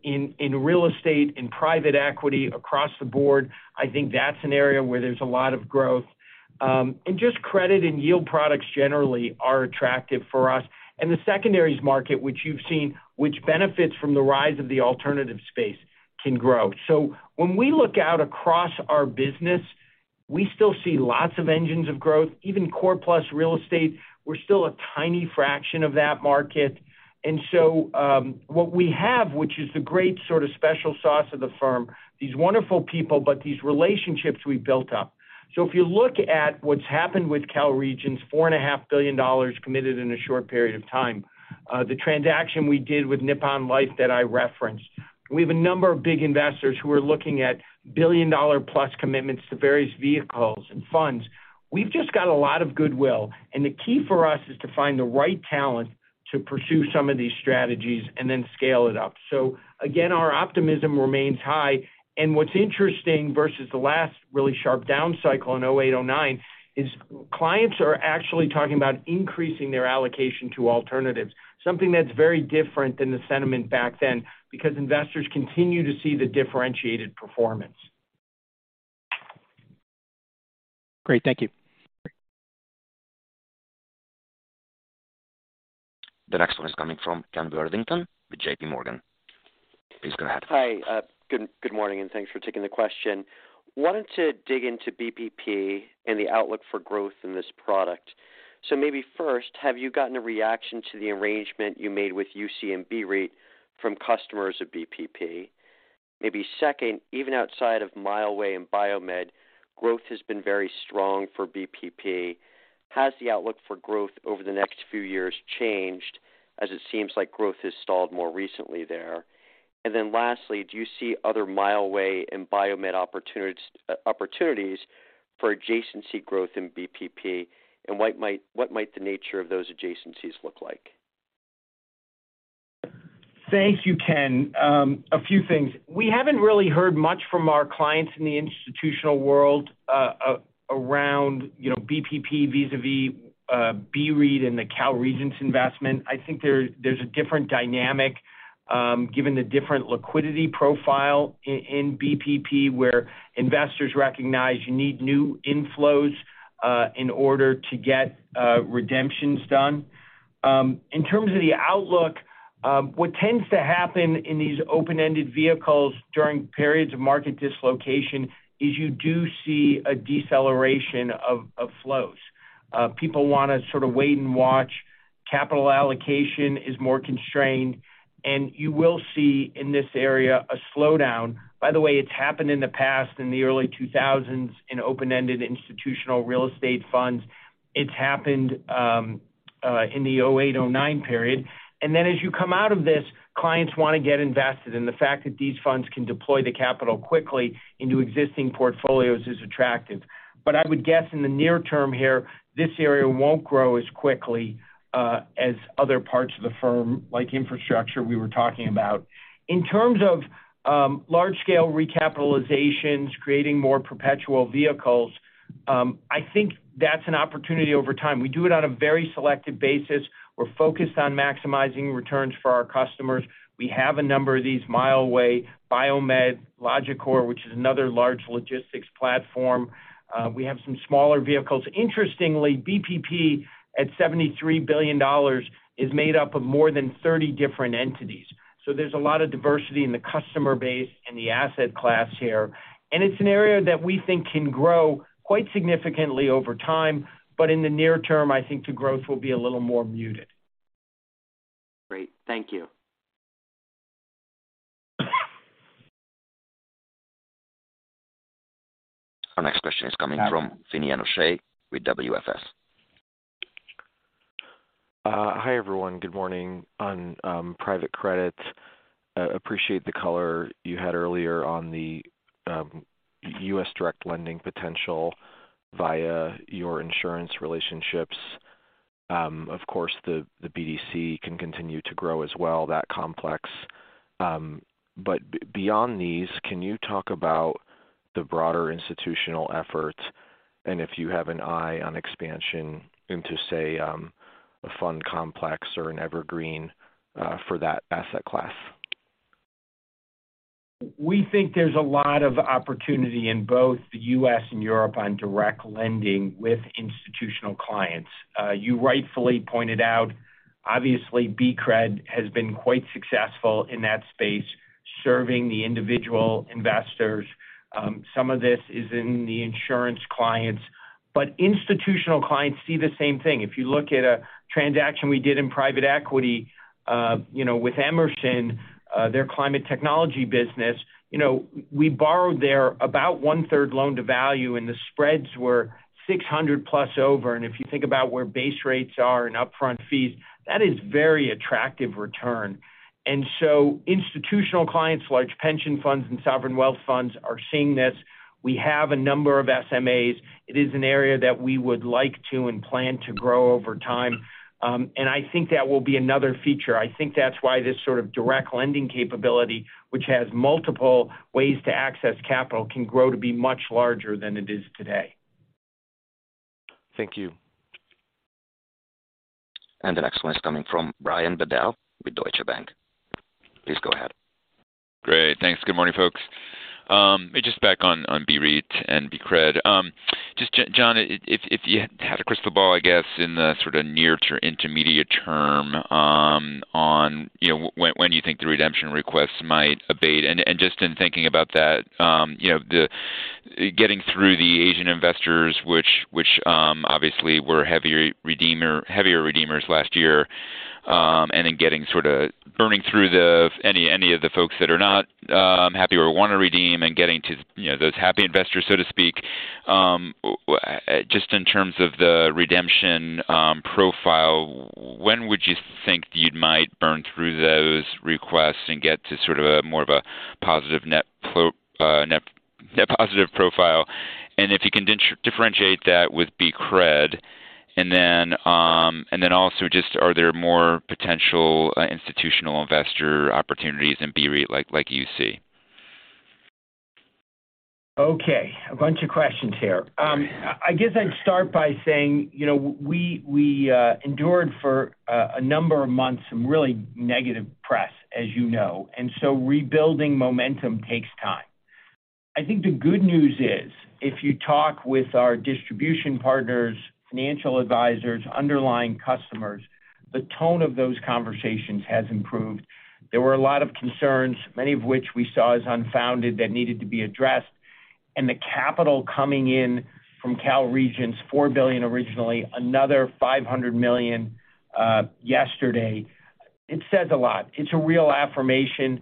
in real estate and private equity across the board, I think that's an area where there's a lot of growth. Just credit and yield products generally are attractive for us. The secondaries market, which you've seen, which benefits from the rise of the alternative space, can grow. When we look out across our business, we still see lots of engines of growth, even core-plus real estate. We're still a tiny fraction of that market. What we have, which is the great sort of special sauce of the firm, these wonderful people, but these relationships we've built up. If you look at what's happened with Cal Regents $4.5 billion committed in a short period of time, the transaction we did with Nippon Life that I referenced. We have a number of big investors who are looking at billion-dollar plus commitments to various vehicles and funds. We've just got a lot of goodwill, and the key for us is to find the right talent to pursue some of these strategies and then scale it up. Again, our optimism remains high. What's interesting versus the last really sharp down cycle in 2008, 2009 is clients are actually talking about increasing their allocation to alternatives, something that's very different than the sentiment back then, because investors continue to see the differentiated performance. Great. Thank you. The next one is coming from Kenneth Worthington with JPMorgan. Please go ahead. Hi. Good morning, and thanks for taking the question. Wanted to dig into BPP and the outlook for growth in this product. Maybe first, have you gotten a reaction to the arrangement you made with UC and BREIT from customers of BPP? Maybe second, even outside of Mileway and BioMed, growth has been very strong for BPP. Has the outlook for growth over the next few years changed as it seems like growth has stalled more recently there? Lastly, do you see other Mileway and BioMed opportunities for adjacency growth in BPP? What might the nature of those adjacencies look like? Thank you, Ken. A few things. We haven't really heard much from our clients in the institutional world around, you know, BPP vis-à-vis BREIT and the Cal Regents iInvestment. I think there's a different dynamic, given the different liquidity profile in BPP, where investors recognize you need new inflows in order to get redemptions done. In terms of the outlook, what tends to happen in these open-ended vehicles during periods of market dislocation is you do see a deceleration of flows. People wanna sort of wait and watch. Capital allocation is more constrained, you will see in this area a slowdown. By the way, it's happened in the past in the early 2000s in open-ended institutional real estate funds. It's happened in the 2008, 2009 period. Then as you come out of this, clients wanna get invested, and the fact that these funds can deploy the capital quickly into existing portfolios is attractive. I would guess in the near term here, this area won't grow as quickly, as other parts of the firm, like infrastructure we were talking about. In terms of, large scale recapitalizations, creating more perpetual vehicles, I think that's an opportunity over time. We do it on a very selective basis. We're focused on maximizing returns for our customers. We have a number of these, Mileway, BioMed, Logicor, which is another large logistics platform. We have some smaller vehicles. Interestingly, BPP, at $73 billion, is made up of more than 30 different entities. There's a lot of diversity in the customer base and the asset class here. It's an area that we think can grow quite significantly over time, but in the near term, I think the growth will be a little more muted. Great. Thank you. Our next question is coming from Finian O'Shea with Wells Fargo Securities. Hi, everyone. Good morning. On private credit, appreciate the color you had earlier on the U.S. direct lending potential via your insurance relationships. Of course, the BDC can continue to grow as well, that complex. Beyond these, can you talk about the broader institutional effort and if you have an eye on expansion into, say, a fund complex or an evergreen for that asset class? We think there's a lot of opportunity in both the U.S. and Europe on direct lending with institutional clients. You rightfully pointed out, obviously, BCRED has been quite successful in that space. Serving the individual investors. Some of this is in the insurance clients, institutional clients see the same thing. If you look at a transaction we did in private equity, you know, with Emerson, their climate technology business. You know, we borrowed their about one-third loan to value, the spreads were 600 plus over. If you think about where base rates are and upfront fees, that is very attractive return. Institutional clients, large pension funds and sovereign wealth funds are seeing this. We have a number of SMAs. It is an area that we would like to and plan to grow over time. I think that will be another feature. I think that's why this sort of direct lending capability, which has multiple ways to access capital, can grow to be much larger than it is today. Thank you. The next one is coming from Brian Bedell with Deutsche Bank. Please go ahead. Great. Thanks. Good morning, folks. Just back on BREIT and BCRED. Just Jon, if you had a crystal ball, I guess, in the sort of near to intermediate term, on, you know, when you think the redemption requests might abate. Just in thinking about that, you know, the getting through the Asian investors, which obviously were heavier redeemers last year, and in getting sort of burning through the any of the folks that are not happy or wanna redeem and getting to, you know, those happy investors, so to speak. Just in terms of the redemption profile, when would you think you'd might burn through those requests and get to sort of a more of a positive net positive profile? If you can differentiate that with BCRED. Also just are there more potential institutional investor opportunities in BREIT like UC? Okay, a bunch of questions here. I guess I'd start by saying, you know, we endured for a number of months some really negative press, as you know, rebuilding momentum takes time. I think the good news is if you talk with our distribution partners, financial advisors, underlying customers, the tone of those conversations has improved. There were a lot of concerns, many of which we saw as unfounded, that needed to be addressed. The capital coming in from Cal Regents, $4 billion originally, another $500 million yesterday. It says a lot. It's a real affirmation.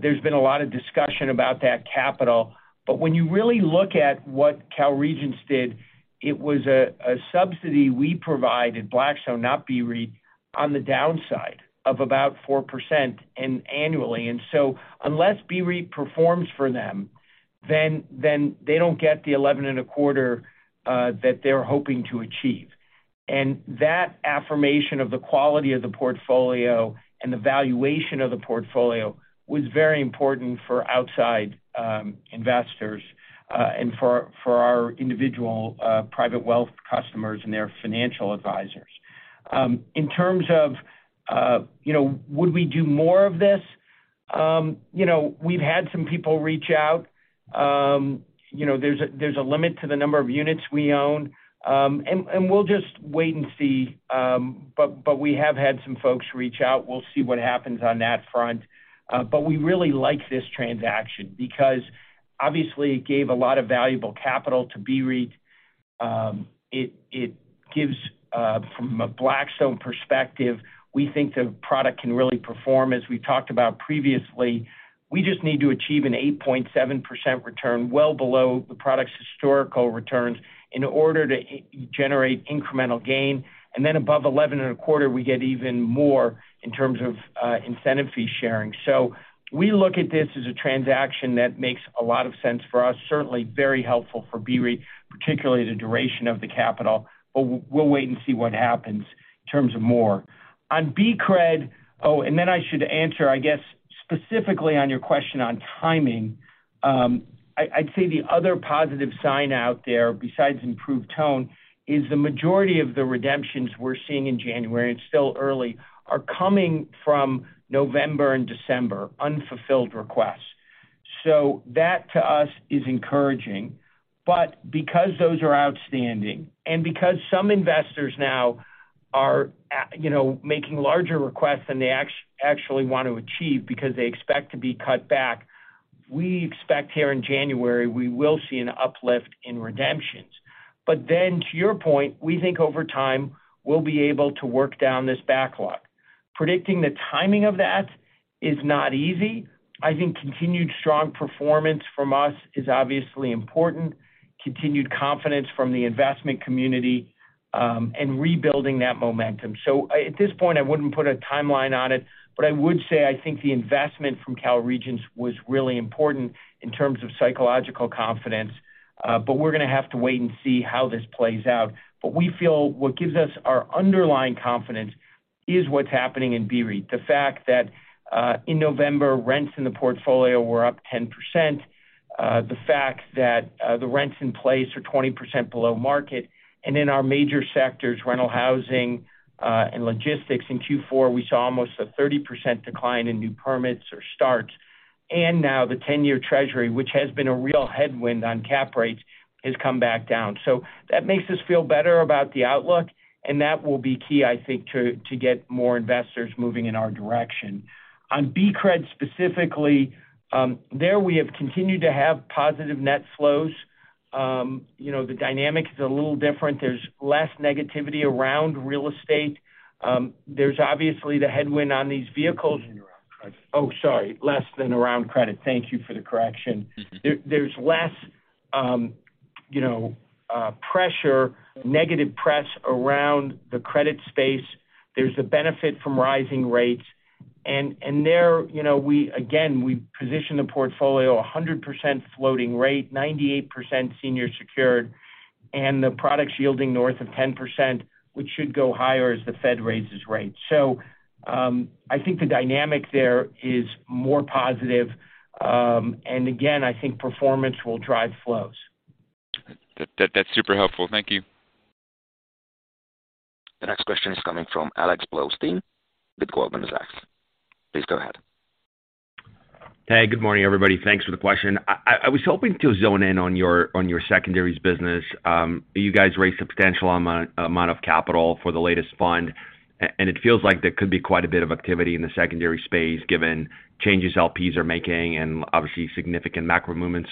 There's been a lot of discussion about that capital. When you really look at what Cal Regents did, it was a subsidy we provide at Blackstone, not BREIT, on the downside of about 4% in annually. Unless BREIT performs for them, then they don't get the 11.25% that they're hoping to achieve. That affirmation of the quality of the portfolio and the valuation of the portfolio was very important for outside investors and for our individual private wealth customers and their financial advisors. In terms of, you know, would we do more of this? You know, we've had some people reach out. You know, there's a limit to the number of units we own. We'll just wait and see, but we have had some folks reach out. We'll see what happens on that front. We really like this transaction because obviously it gave a lot of valuable capital to BREIT. It gives from a Blackstone perspective, we think the product can really perform, as we talked about previously. We just need to achieve an 8.7% return, well below the product's historical returns, in order to generate incremental gain. Above 11.25%, we get even more in terms of incentive fee sharing. We look at this as a transaction that makes a lot of sense for us, certainly very helpful for BREIT, particularly the duration of the capital, but we'll wait and see what happens in terms of more. On BCRED. I should answer, I guess, specifically on your question on timing. I'd say the other positive sign out there, besides improved tone, is the majority of the redemptions we're seeing in January, it's still early, are coming from November and December unfulfilled requests. That, to us, is encouraging. Because those are outstanding and because some investors now are you know, making larger requests than they actually want to achieve because they expect to be cut back, we expect here in January we will see an uplift in redemptions. Then to your point, we think over time, we'll be able to work down this backlog. Predicting the timing of that is not easy. I think continued strong performance from us is obviously important, continued confidence from the investment community, and rebuilding that momentum. At this point, I wouldn't put a timeline on it. I would say I think the investment from Cal Regents was really important in terms of psychological confidence, but we're gonna have to wait and see how this plays out. We feel what gives us our underlying confidence is what's happening in BREIT. The fact that, in November, rents in the portfolio were up 10%, the fact that, the rents in place are 20% below market, and in our major sectors, rental housing, and logistics, in Q4, we saw almost a 30% decline in new permits or starts. Now the 10-year treasury, which has been a real headwind on cap rates, has come back down. That makes us feel better about the outlook, and that will be key, I think, to get more investors moving in our direction. On BCRED specifically, there, we have continued to have positive net flows. You know, the dynamic is a little different. There's less negativity around real estate. There's obviously the headwind on these vehicles. Sorry, less than around credit. Thank you for the correction. There's less, you know, pressure, negative press around the credit space. There's a benefit from rising rates. There, you know, again, we position the portfolio 100% floating rate, 98% senior secured, and the products yielding north of 10%, which should go higher as the Fed raises rates. I think the dynamic there is more positive. Again, I think performance will drive flows. That's super helpful. Thank you. The next question is coming from Alex Blostein with Goldman Sachs. Please go ahead. Hey, good morning, everybody. Thanks for the question. I was hoping to zone in on your, on your secondaries business. You guys raised a potential amount of capital for the latest fund, and it feels like there could be quite a bit of activity in the secondary space given changes LPs are making and obviously significant macro movements.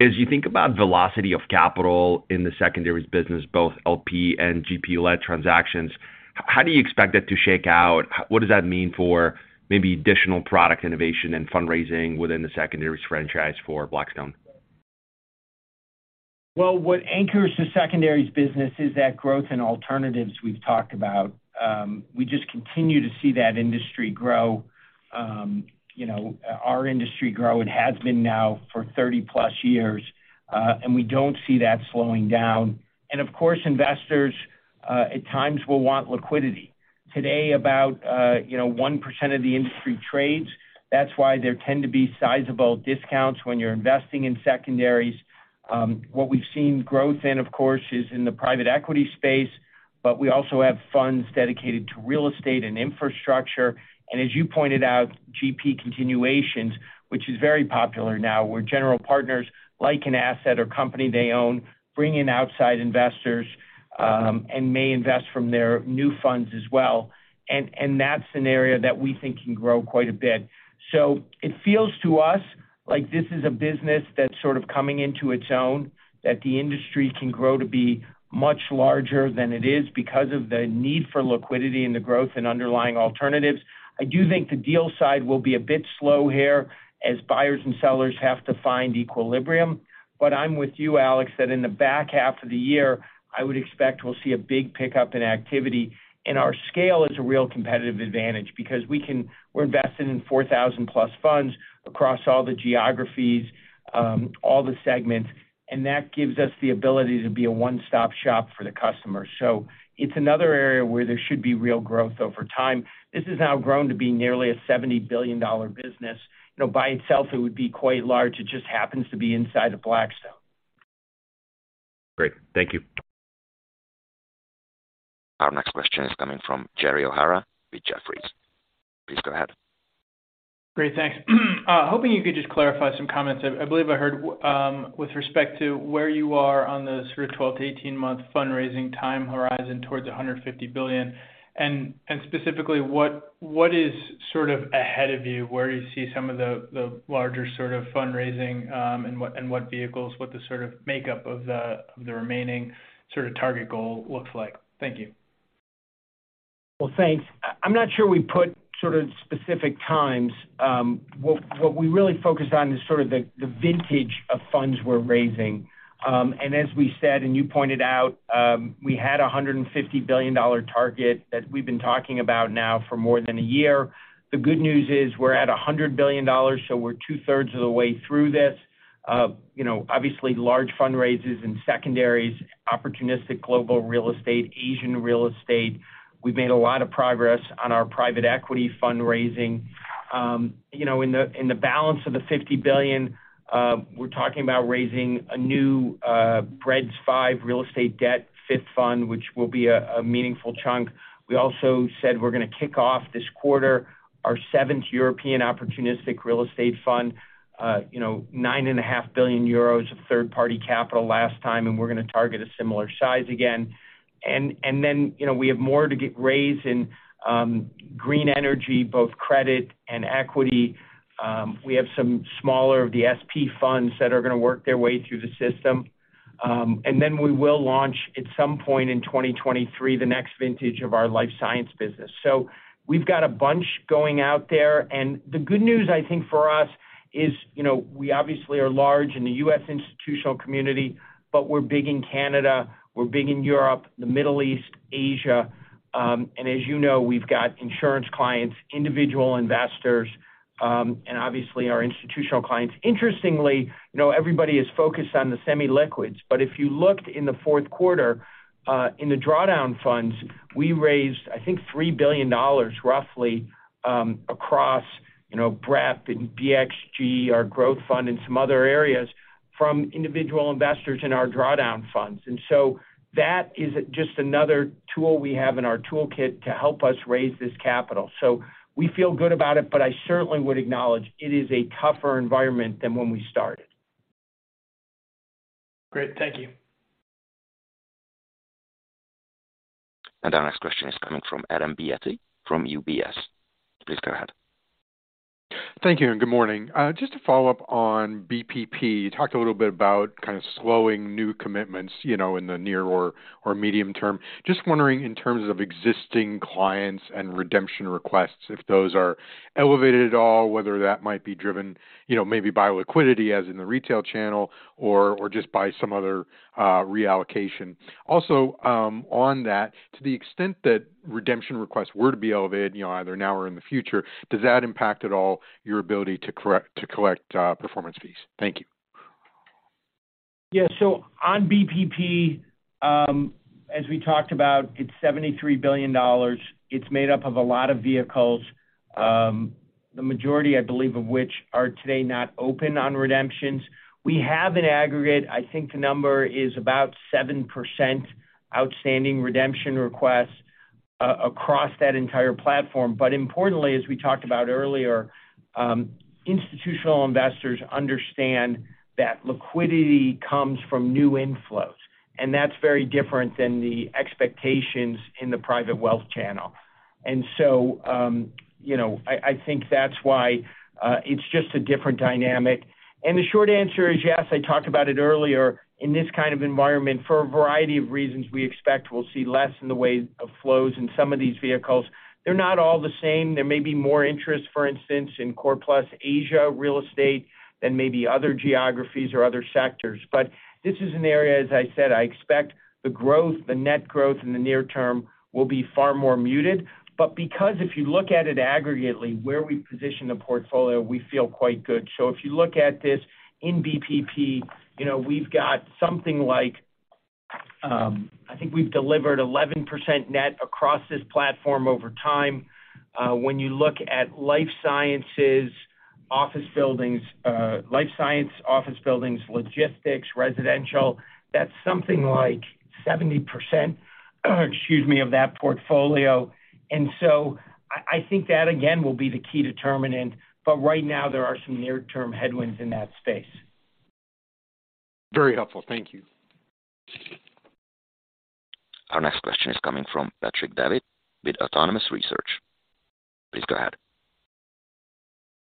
As you think about velocity of capital in the secondaries business, both LP and GP-led transactions, how do you expect that to shake out? What does that mean for maybe additional product innovation and fundraising within the secondaries franchise for Blackstone? Well, what anchors the secondaries business is that growth in alternatives we've talked about. We just continue to see that industry grow, you know, our industry grow. It has been now for 30+ years, we don't see that slowing down. Of course, investors, at times will want liquidity. Today, about, you know, 1% of the industry trades. That's why there tend to be sizable discounts when you're investing in secondaries. What we've seen growth in, of course, is in the private equity space, but we also have funds dedicated to real estate and infrastructure. As you pointed out, GP continuations, which is very popular now, where general partners like an asset or company they own, bring in outside investors, and may invest from their new funds as well. That's an area that we think can grow quite a bit. It feels to us like this is a business that's sort of coming into its own, that the industry can grow to be much larger than it is because of the need for liquidity and the growth in underlying alternatives. I do think the deal side will be a bit slow here as buyers and sellers have to find equilibrium. I'm with you, Alex, that in the back half of the year, I would expect we'll see a big pickup in activity. Our scale is a real competitive advantage because we can. We're invested in 4,000+ funds across all the geographies, all the segments, and that gives us the ability to be a one-stop shop for the customer. It's another area where there should be real growth over time. This has now grown to be nearly a $70 billion business. You know, by itself, it would be quite large. It just happens to be inside of Blackstone. Great. Thank you. Our next question is coming from Jerry O'Hara with Jefferies. Please go ahead. Great. Thanks. hoping you could just clarify some comments I believe I heard with respect to where you are on the sort of 12-18 month fundraising time horizon towards $150 billion. Specifically, what is sort of ahead of you where you see some of the larger sort of fundraising, and what vehicles, what the sort of makeup of the remaining sort of target goal looks like? Thank you. Well, thanks. I'm not sure we put sort of specific times. What we really focused on is sort of the vintage of funds we're raising. As we said, and you pointed out, we had a $150 billion target that we've been talking about now for more than a year. The good news is we're at $100 billion, so we're two-thirds of the way through this. You know, obviously large fundraisers in secondaries, opportunistic global real estate, Asian real estate. We've made a lot of progress on our private equity fundraising. You know, in the balance of the $50 billion, we're talking about raising a new BREDS V real estate debt fifth fund, which will be a meaningful chunk. We also said we're gonna kick off this quarter our seventh European opportunistic real estate fund. You know, 9.5 billion euros of third-party capital last time, we're gonna target a similar size again. You know, we have more to get raised in green energy, both credit and equity. We have some smaller of the SP funds that are gonna work their way through the system. We will launch at some point in 2023 the next vintage of our life science business. We've got a bunch going out there. The good news, I think, for us is, you know, we obviously are large in the U.S. institutional community, but we're big in Canada, we're big in Europe, the Middle East, Asia. As you know, we've got insurance clients, individual investors, and obviously our institutional clients. Interestingly, you know, everybody is focused on the semi-liquids, but if you looked in the fourth quarter, in the drawdown funds, we raised, I think, $3 billion roughly, across, you know, BREP and BXG, our growth fund, and some other areas from individual investors in our drawdown funds. That is just another tool we have in our toolkit to help us raise this capital. We feel good about it, but I certainly would acknowledge it is a tougher environment than when we started. Great. Thank you. Our next question is coming from Adam Beatty from UBS. Please go ahead. Thank you, and good morning. Just to follow up on BPP. You talked a little bit about kind of slowing new commitments, you know, in the near or medium term. Just wondering, in terms of existing clients and redemption requests, if those are elevated at all, whether that might be driven, you know, maybe by liquidity as in the retail channel or just by some other reallocation. On that, to the extent that redemption requests were to be elevated, you know, either now or in the future, does that impact at all your ability to collect performance fees? Thank you. Yeah. On BPP, as we talked about, it's $73 billion. It's made up of a lot of vehicles, the majority, I believe, of which are today not open on redemptions. We have an aggregate. I think the number is about 7% outstanding redemption requests across that entire platform. Importantly, as we talked about earlier, institutional investors understand that liquidity comes from new inflows, and that's very different than the expectations in the private wealth channel. You know, I think that's why it's just a different dynamic. The short answer is yes. I talked about it earlier. In this kind of environment, for a variety of reasons, we expect we'll see less in the way of flows in some of these vehicles. They're not all the same. There may be more interest, for instance, in Core+ Asia real estate than maybe other geographies or other sectors. This is an area, as I said, I expect the growth, the net growth in the near term will be far more muted. Because if you look at it aggregately, where we position the portfolio, we feel quite good. If you look at this in BPP, you know, we've got something like, I think we've delivered 11% net across this platform over time. When you look at life sciences, office buildings, life science, office buildings, logistics, residential, that's something like 70%, excuse me, of that portfolio. I think that again will be the key determinant. Right now there are some near-term headwinds in that space. Very helpful. Thank you. Our next question is coming from Patrick Davitt with Autonomous Research. Please go ahead.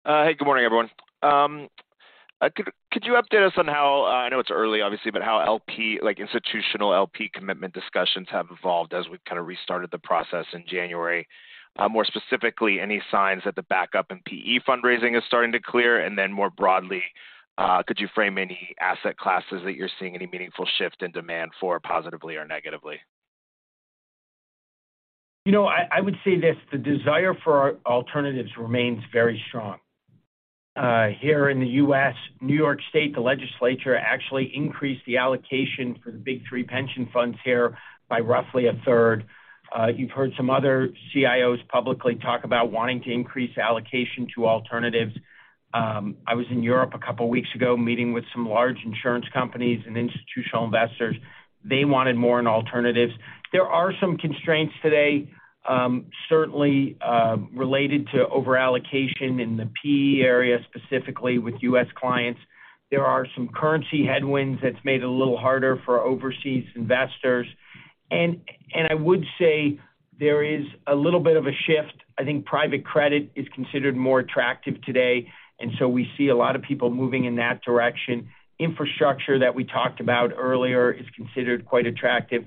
Hey, good morning, everyone. Could you update us on how, I know it's early obviously, but how LP, like, institutional LP commitment discussions have evolved as we've kind of restarted the process in January? More specifically, any signs that the backup in PE fundraising is starting to clear? More broadly, could you frame any asset classes that you're seeing any meaningful shift in demand for, positively or negatively? You know, I would say this, the desire for alternatives remains very strong. Here in the U.S., New York State, the legislature actually increased the allocation for the big three pension funds here by roughly a third. You've heard some other CIOs publicly talk about wanting to increase allocation to alternatives. I was in Europe a couple weeks ago, meeting with some large insurance companies and institutional investors. They wanted more in alternatives. There are some constraints today, certainly, related to over-allocation in the PE area, specifically with U.S. clients. There are some currency headwinds that's made it a little harder for overseas investors. I would say there is a little bit of a shift. I think private credit is considered more attractive today, and so we see a lot of people moving in that direction. Infrastructure that we talked about earlier is considered quite attractive.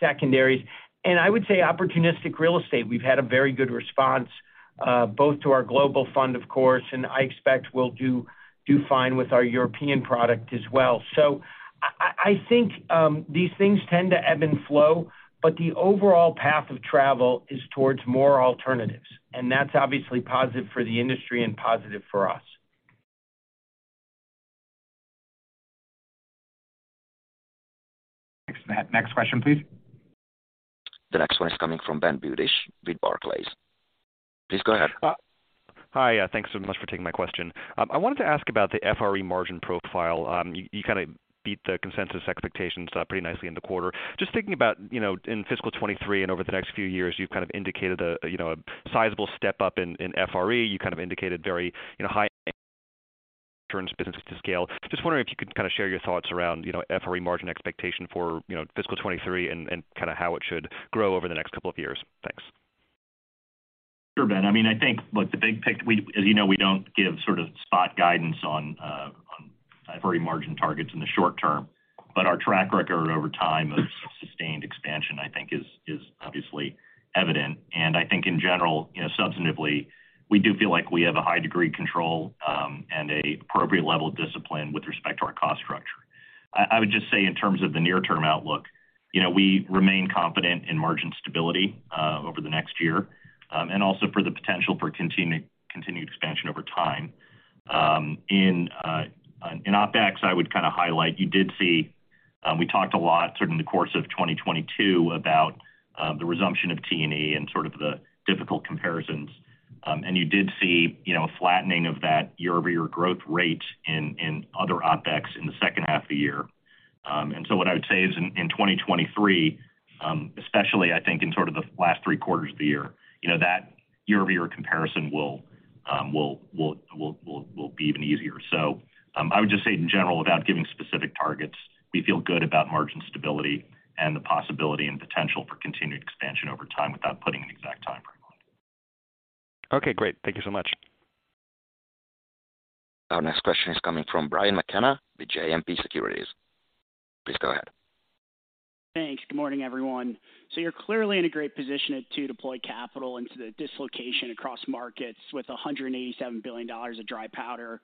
Secondaries, I would say opportunistic real estate. We've had a very good response, both to our global fund, of course, and I expect we'll do fine with our European product as well. I think these things tend to ebb and flow, but the overall path of travel is towards more alternatives, and that's obviously positive for the industry and positive for us. Next question, please. The next one is coming from Ben Budish with Barclays. Please go ahead. Hi. Yeah, thanks so much for taking my question. I wanted to ask about the FRE margin profile. You, you kind of beat the consensus expectations pretty nicely in the quarter. Just thinking about, you know, in fiscal 2023 and over the next few years, you've kind of indicated a, you know, a sizable step up in FRE. You kind of indicated very, you know, high returns, business to scale. Just wondering if you could kind of share your thoughts around, you know, FRE margin expectation for, you know, fiscal 2023 and kind of how it should grow over the next couple of years. Thanks. Sure, Ben. I mean, I think, look, as you know, we don't give sort of spot guidance on FRE margin targets in the short term. Our track record over time of sustained expansion, I think, is obviously evident. I think in general, you know, substantively, we do feel like we have a high degree of control and a appropriate level of discipline with respect to our cost structure. I would just say in terms of the near-term outlook, you know, we remain confident in margin stability over the next year and also for the potential for continued expansion over time. In OpEx, I would kind of highlight, you did see, we talked a lot sort of in the course of 2022 about the resumption of T&E and sort of the difficult comparisons. You did see, you know, a flattening of that year-over-year growth rate in other OpEx in the second half of the year. What I would say is in 2023, especially I think in sort of the last three quarters of the year, you know, that year-over-year comparison will be even easier. I would just say in general, without giving specific targets, we feel good about margin stability and the possibility and potential for continued expansion over time without putting an exact time frame on it. Okay, great. Thank you so much. Our next question is coming from Brian McKenna with JMP Securities. Please go ahead. Thanks. Good morning, everyone. You're clearly in a great position to deploy capital into the dislocation across markets with $187 billion of dry powder.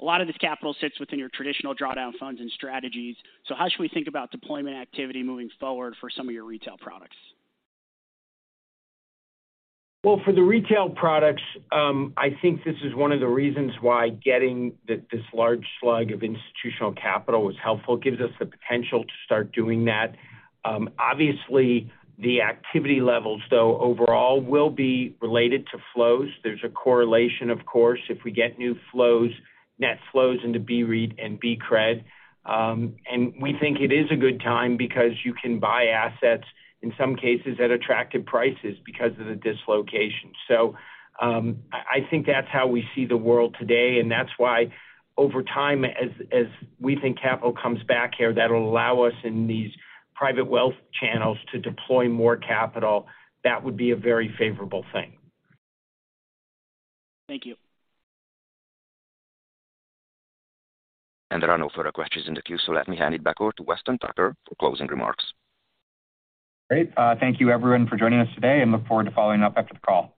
A lot of this capital sits within your traditional drawdown funds and strategies. How should we think about deployment activity moving forward for some of your retail products? Well, for the retail products, I think this is one of the reasons why getting this large slug of institutional capital was helpful. It gives us the potential to start doing that. Obviously, the activity levels, though, overall will be related to flows. There's a correlation, of course, if we get new flows, net flows into BREIT and BCRED. We think it is a good time because you can buy assets in some cases at attractive prices because of the dislocation. I think that's how we see the world today, and that's why over time, as we think capital comes back here, that'll allow us in these private wealth channels to deploy more capital. That would be a very favorable thing. Thank you. There are no further questions in the queue, so let me hand it back over to Weston Tucker for closing remarks. Great. Thank you everyone for joining us today and look forward to following up after the call.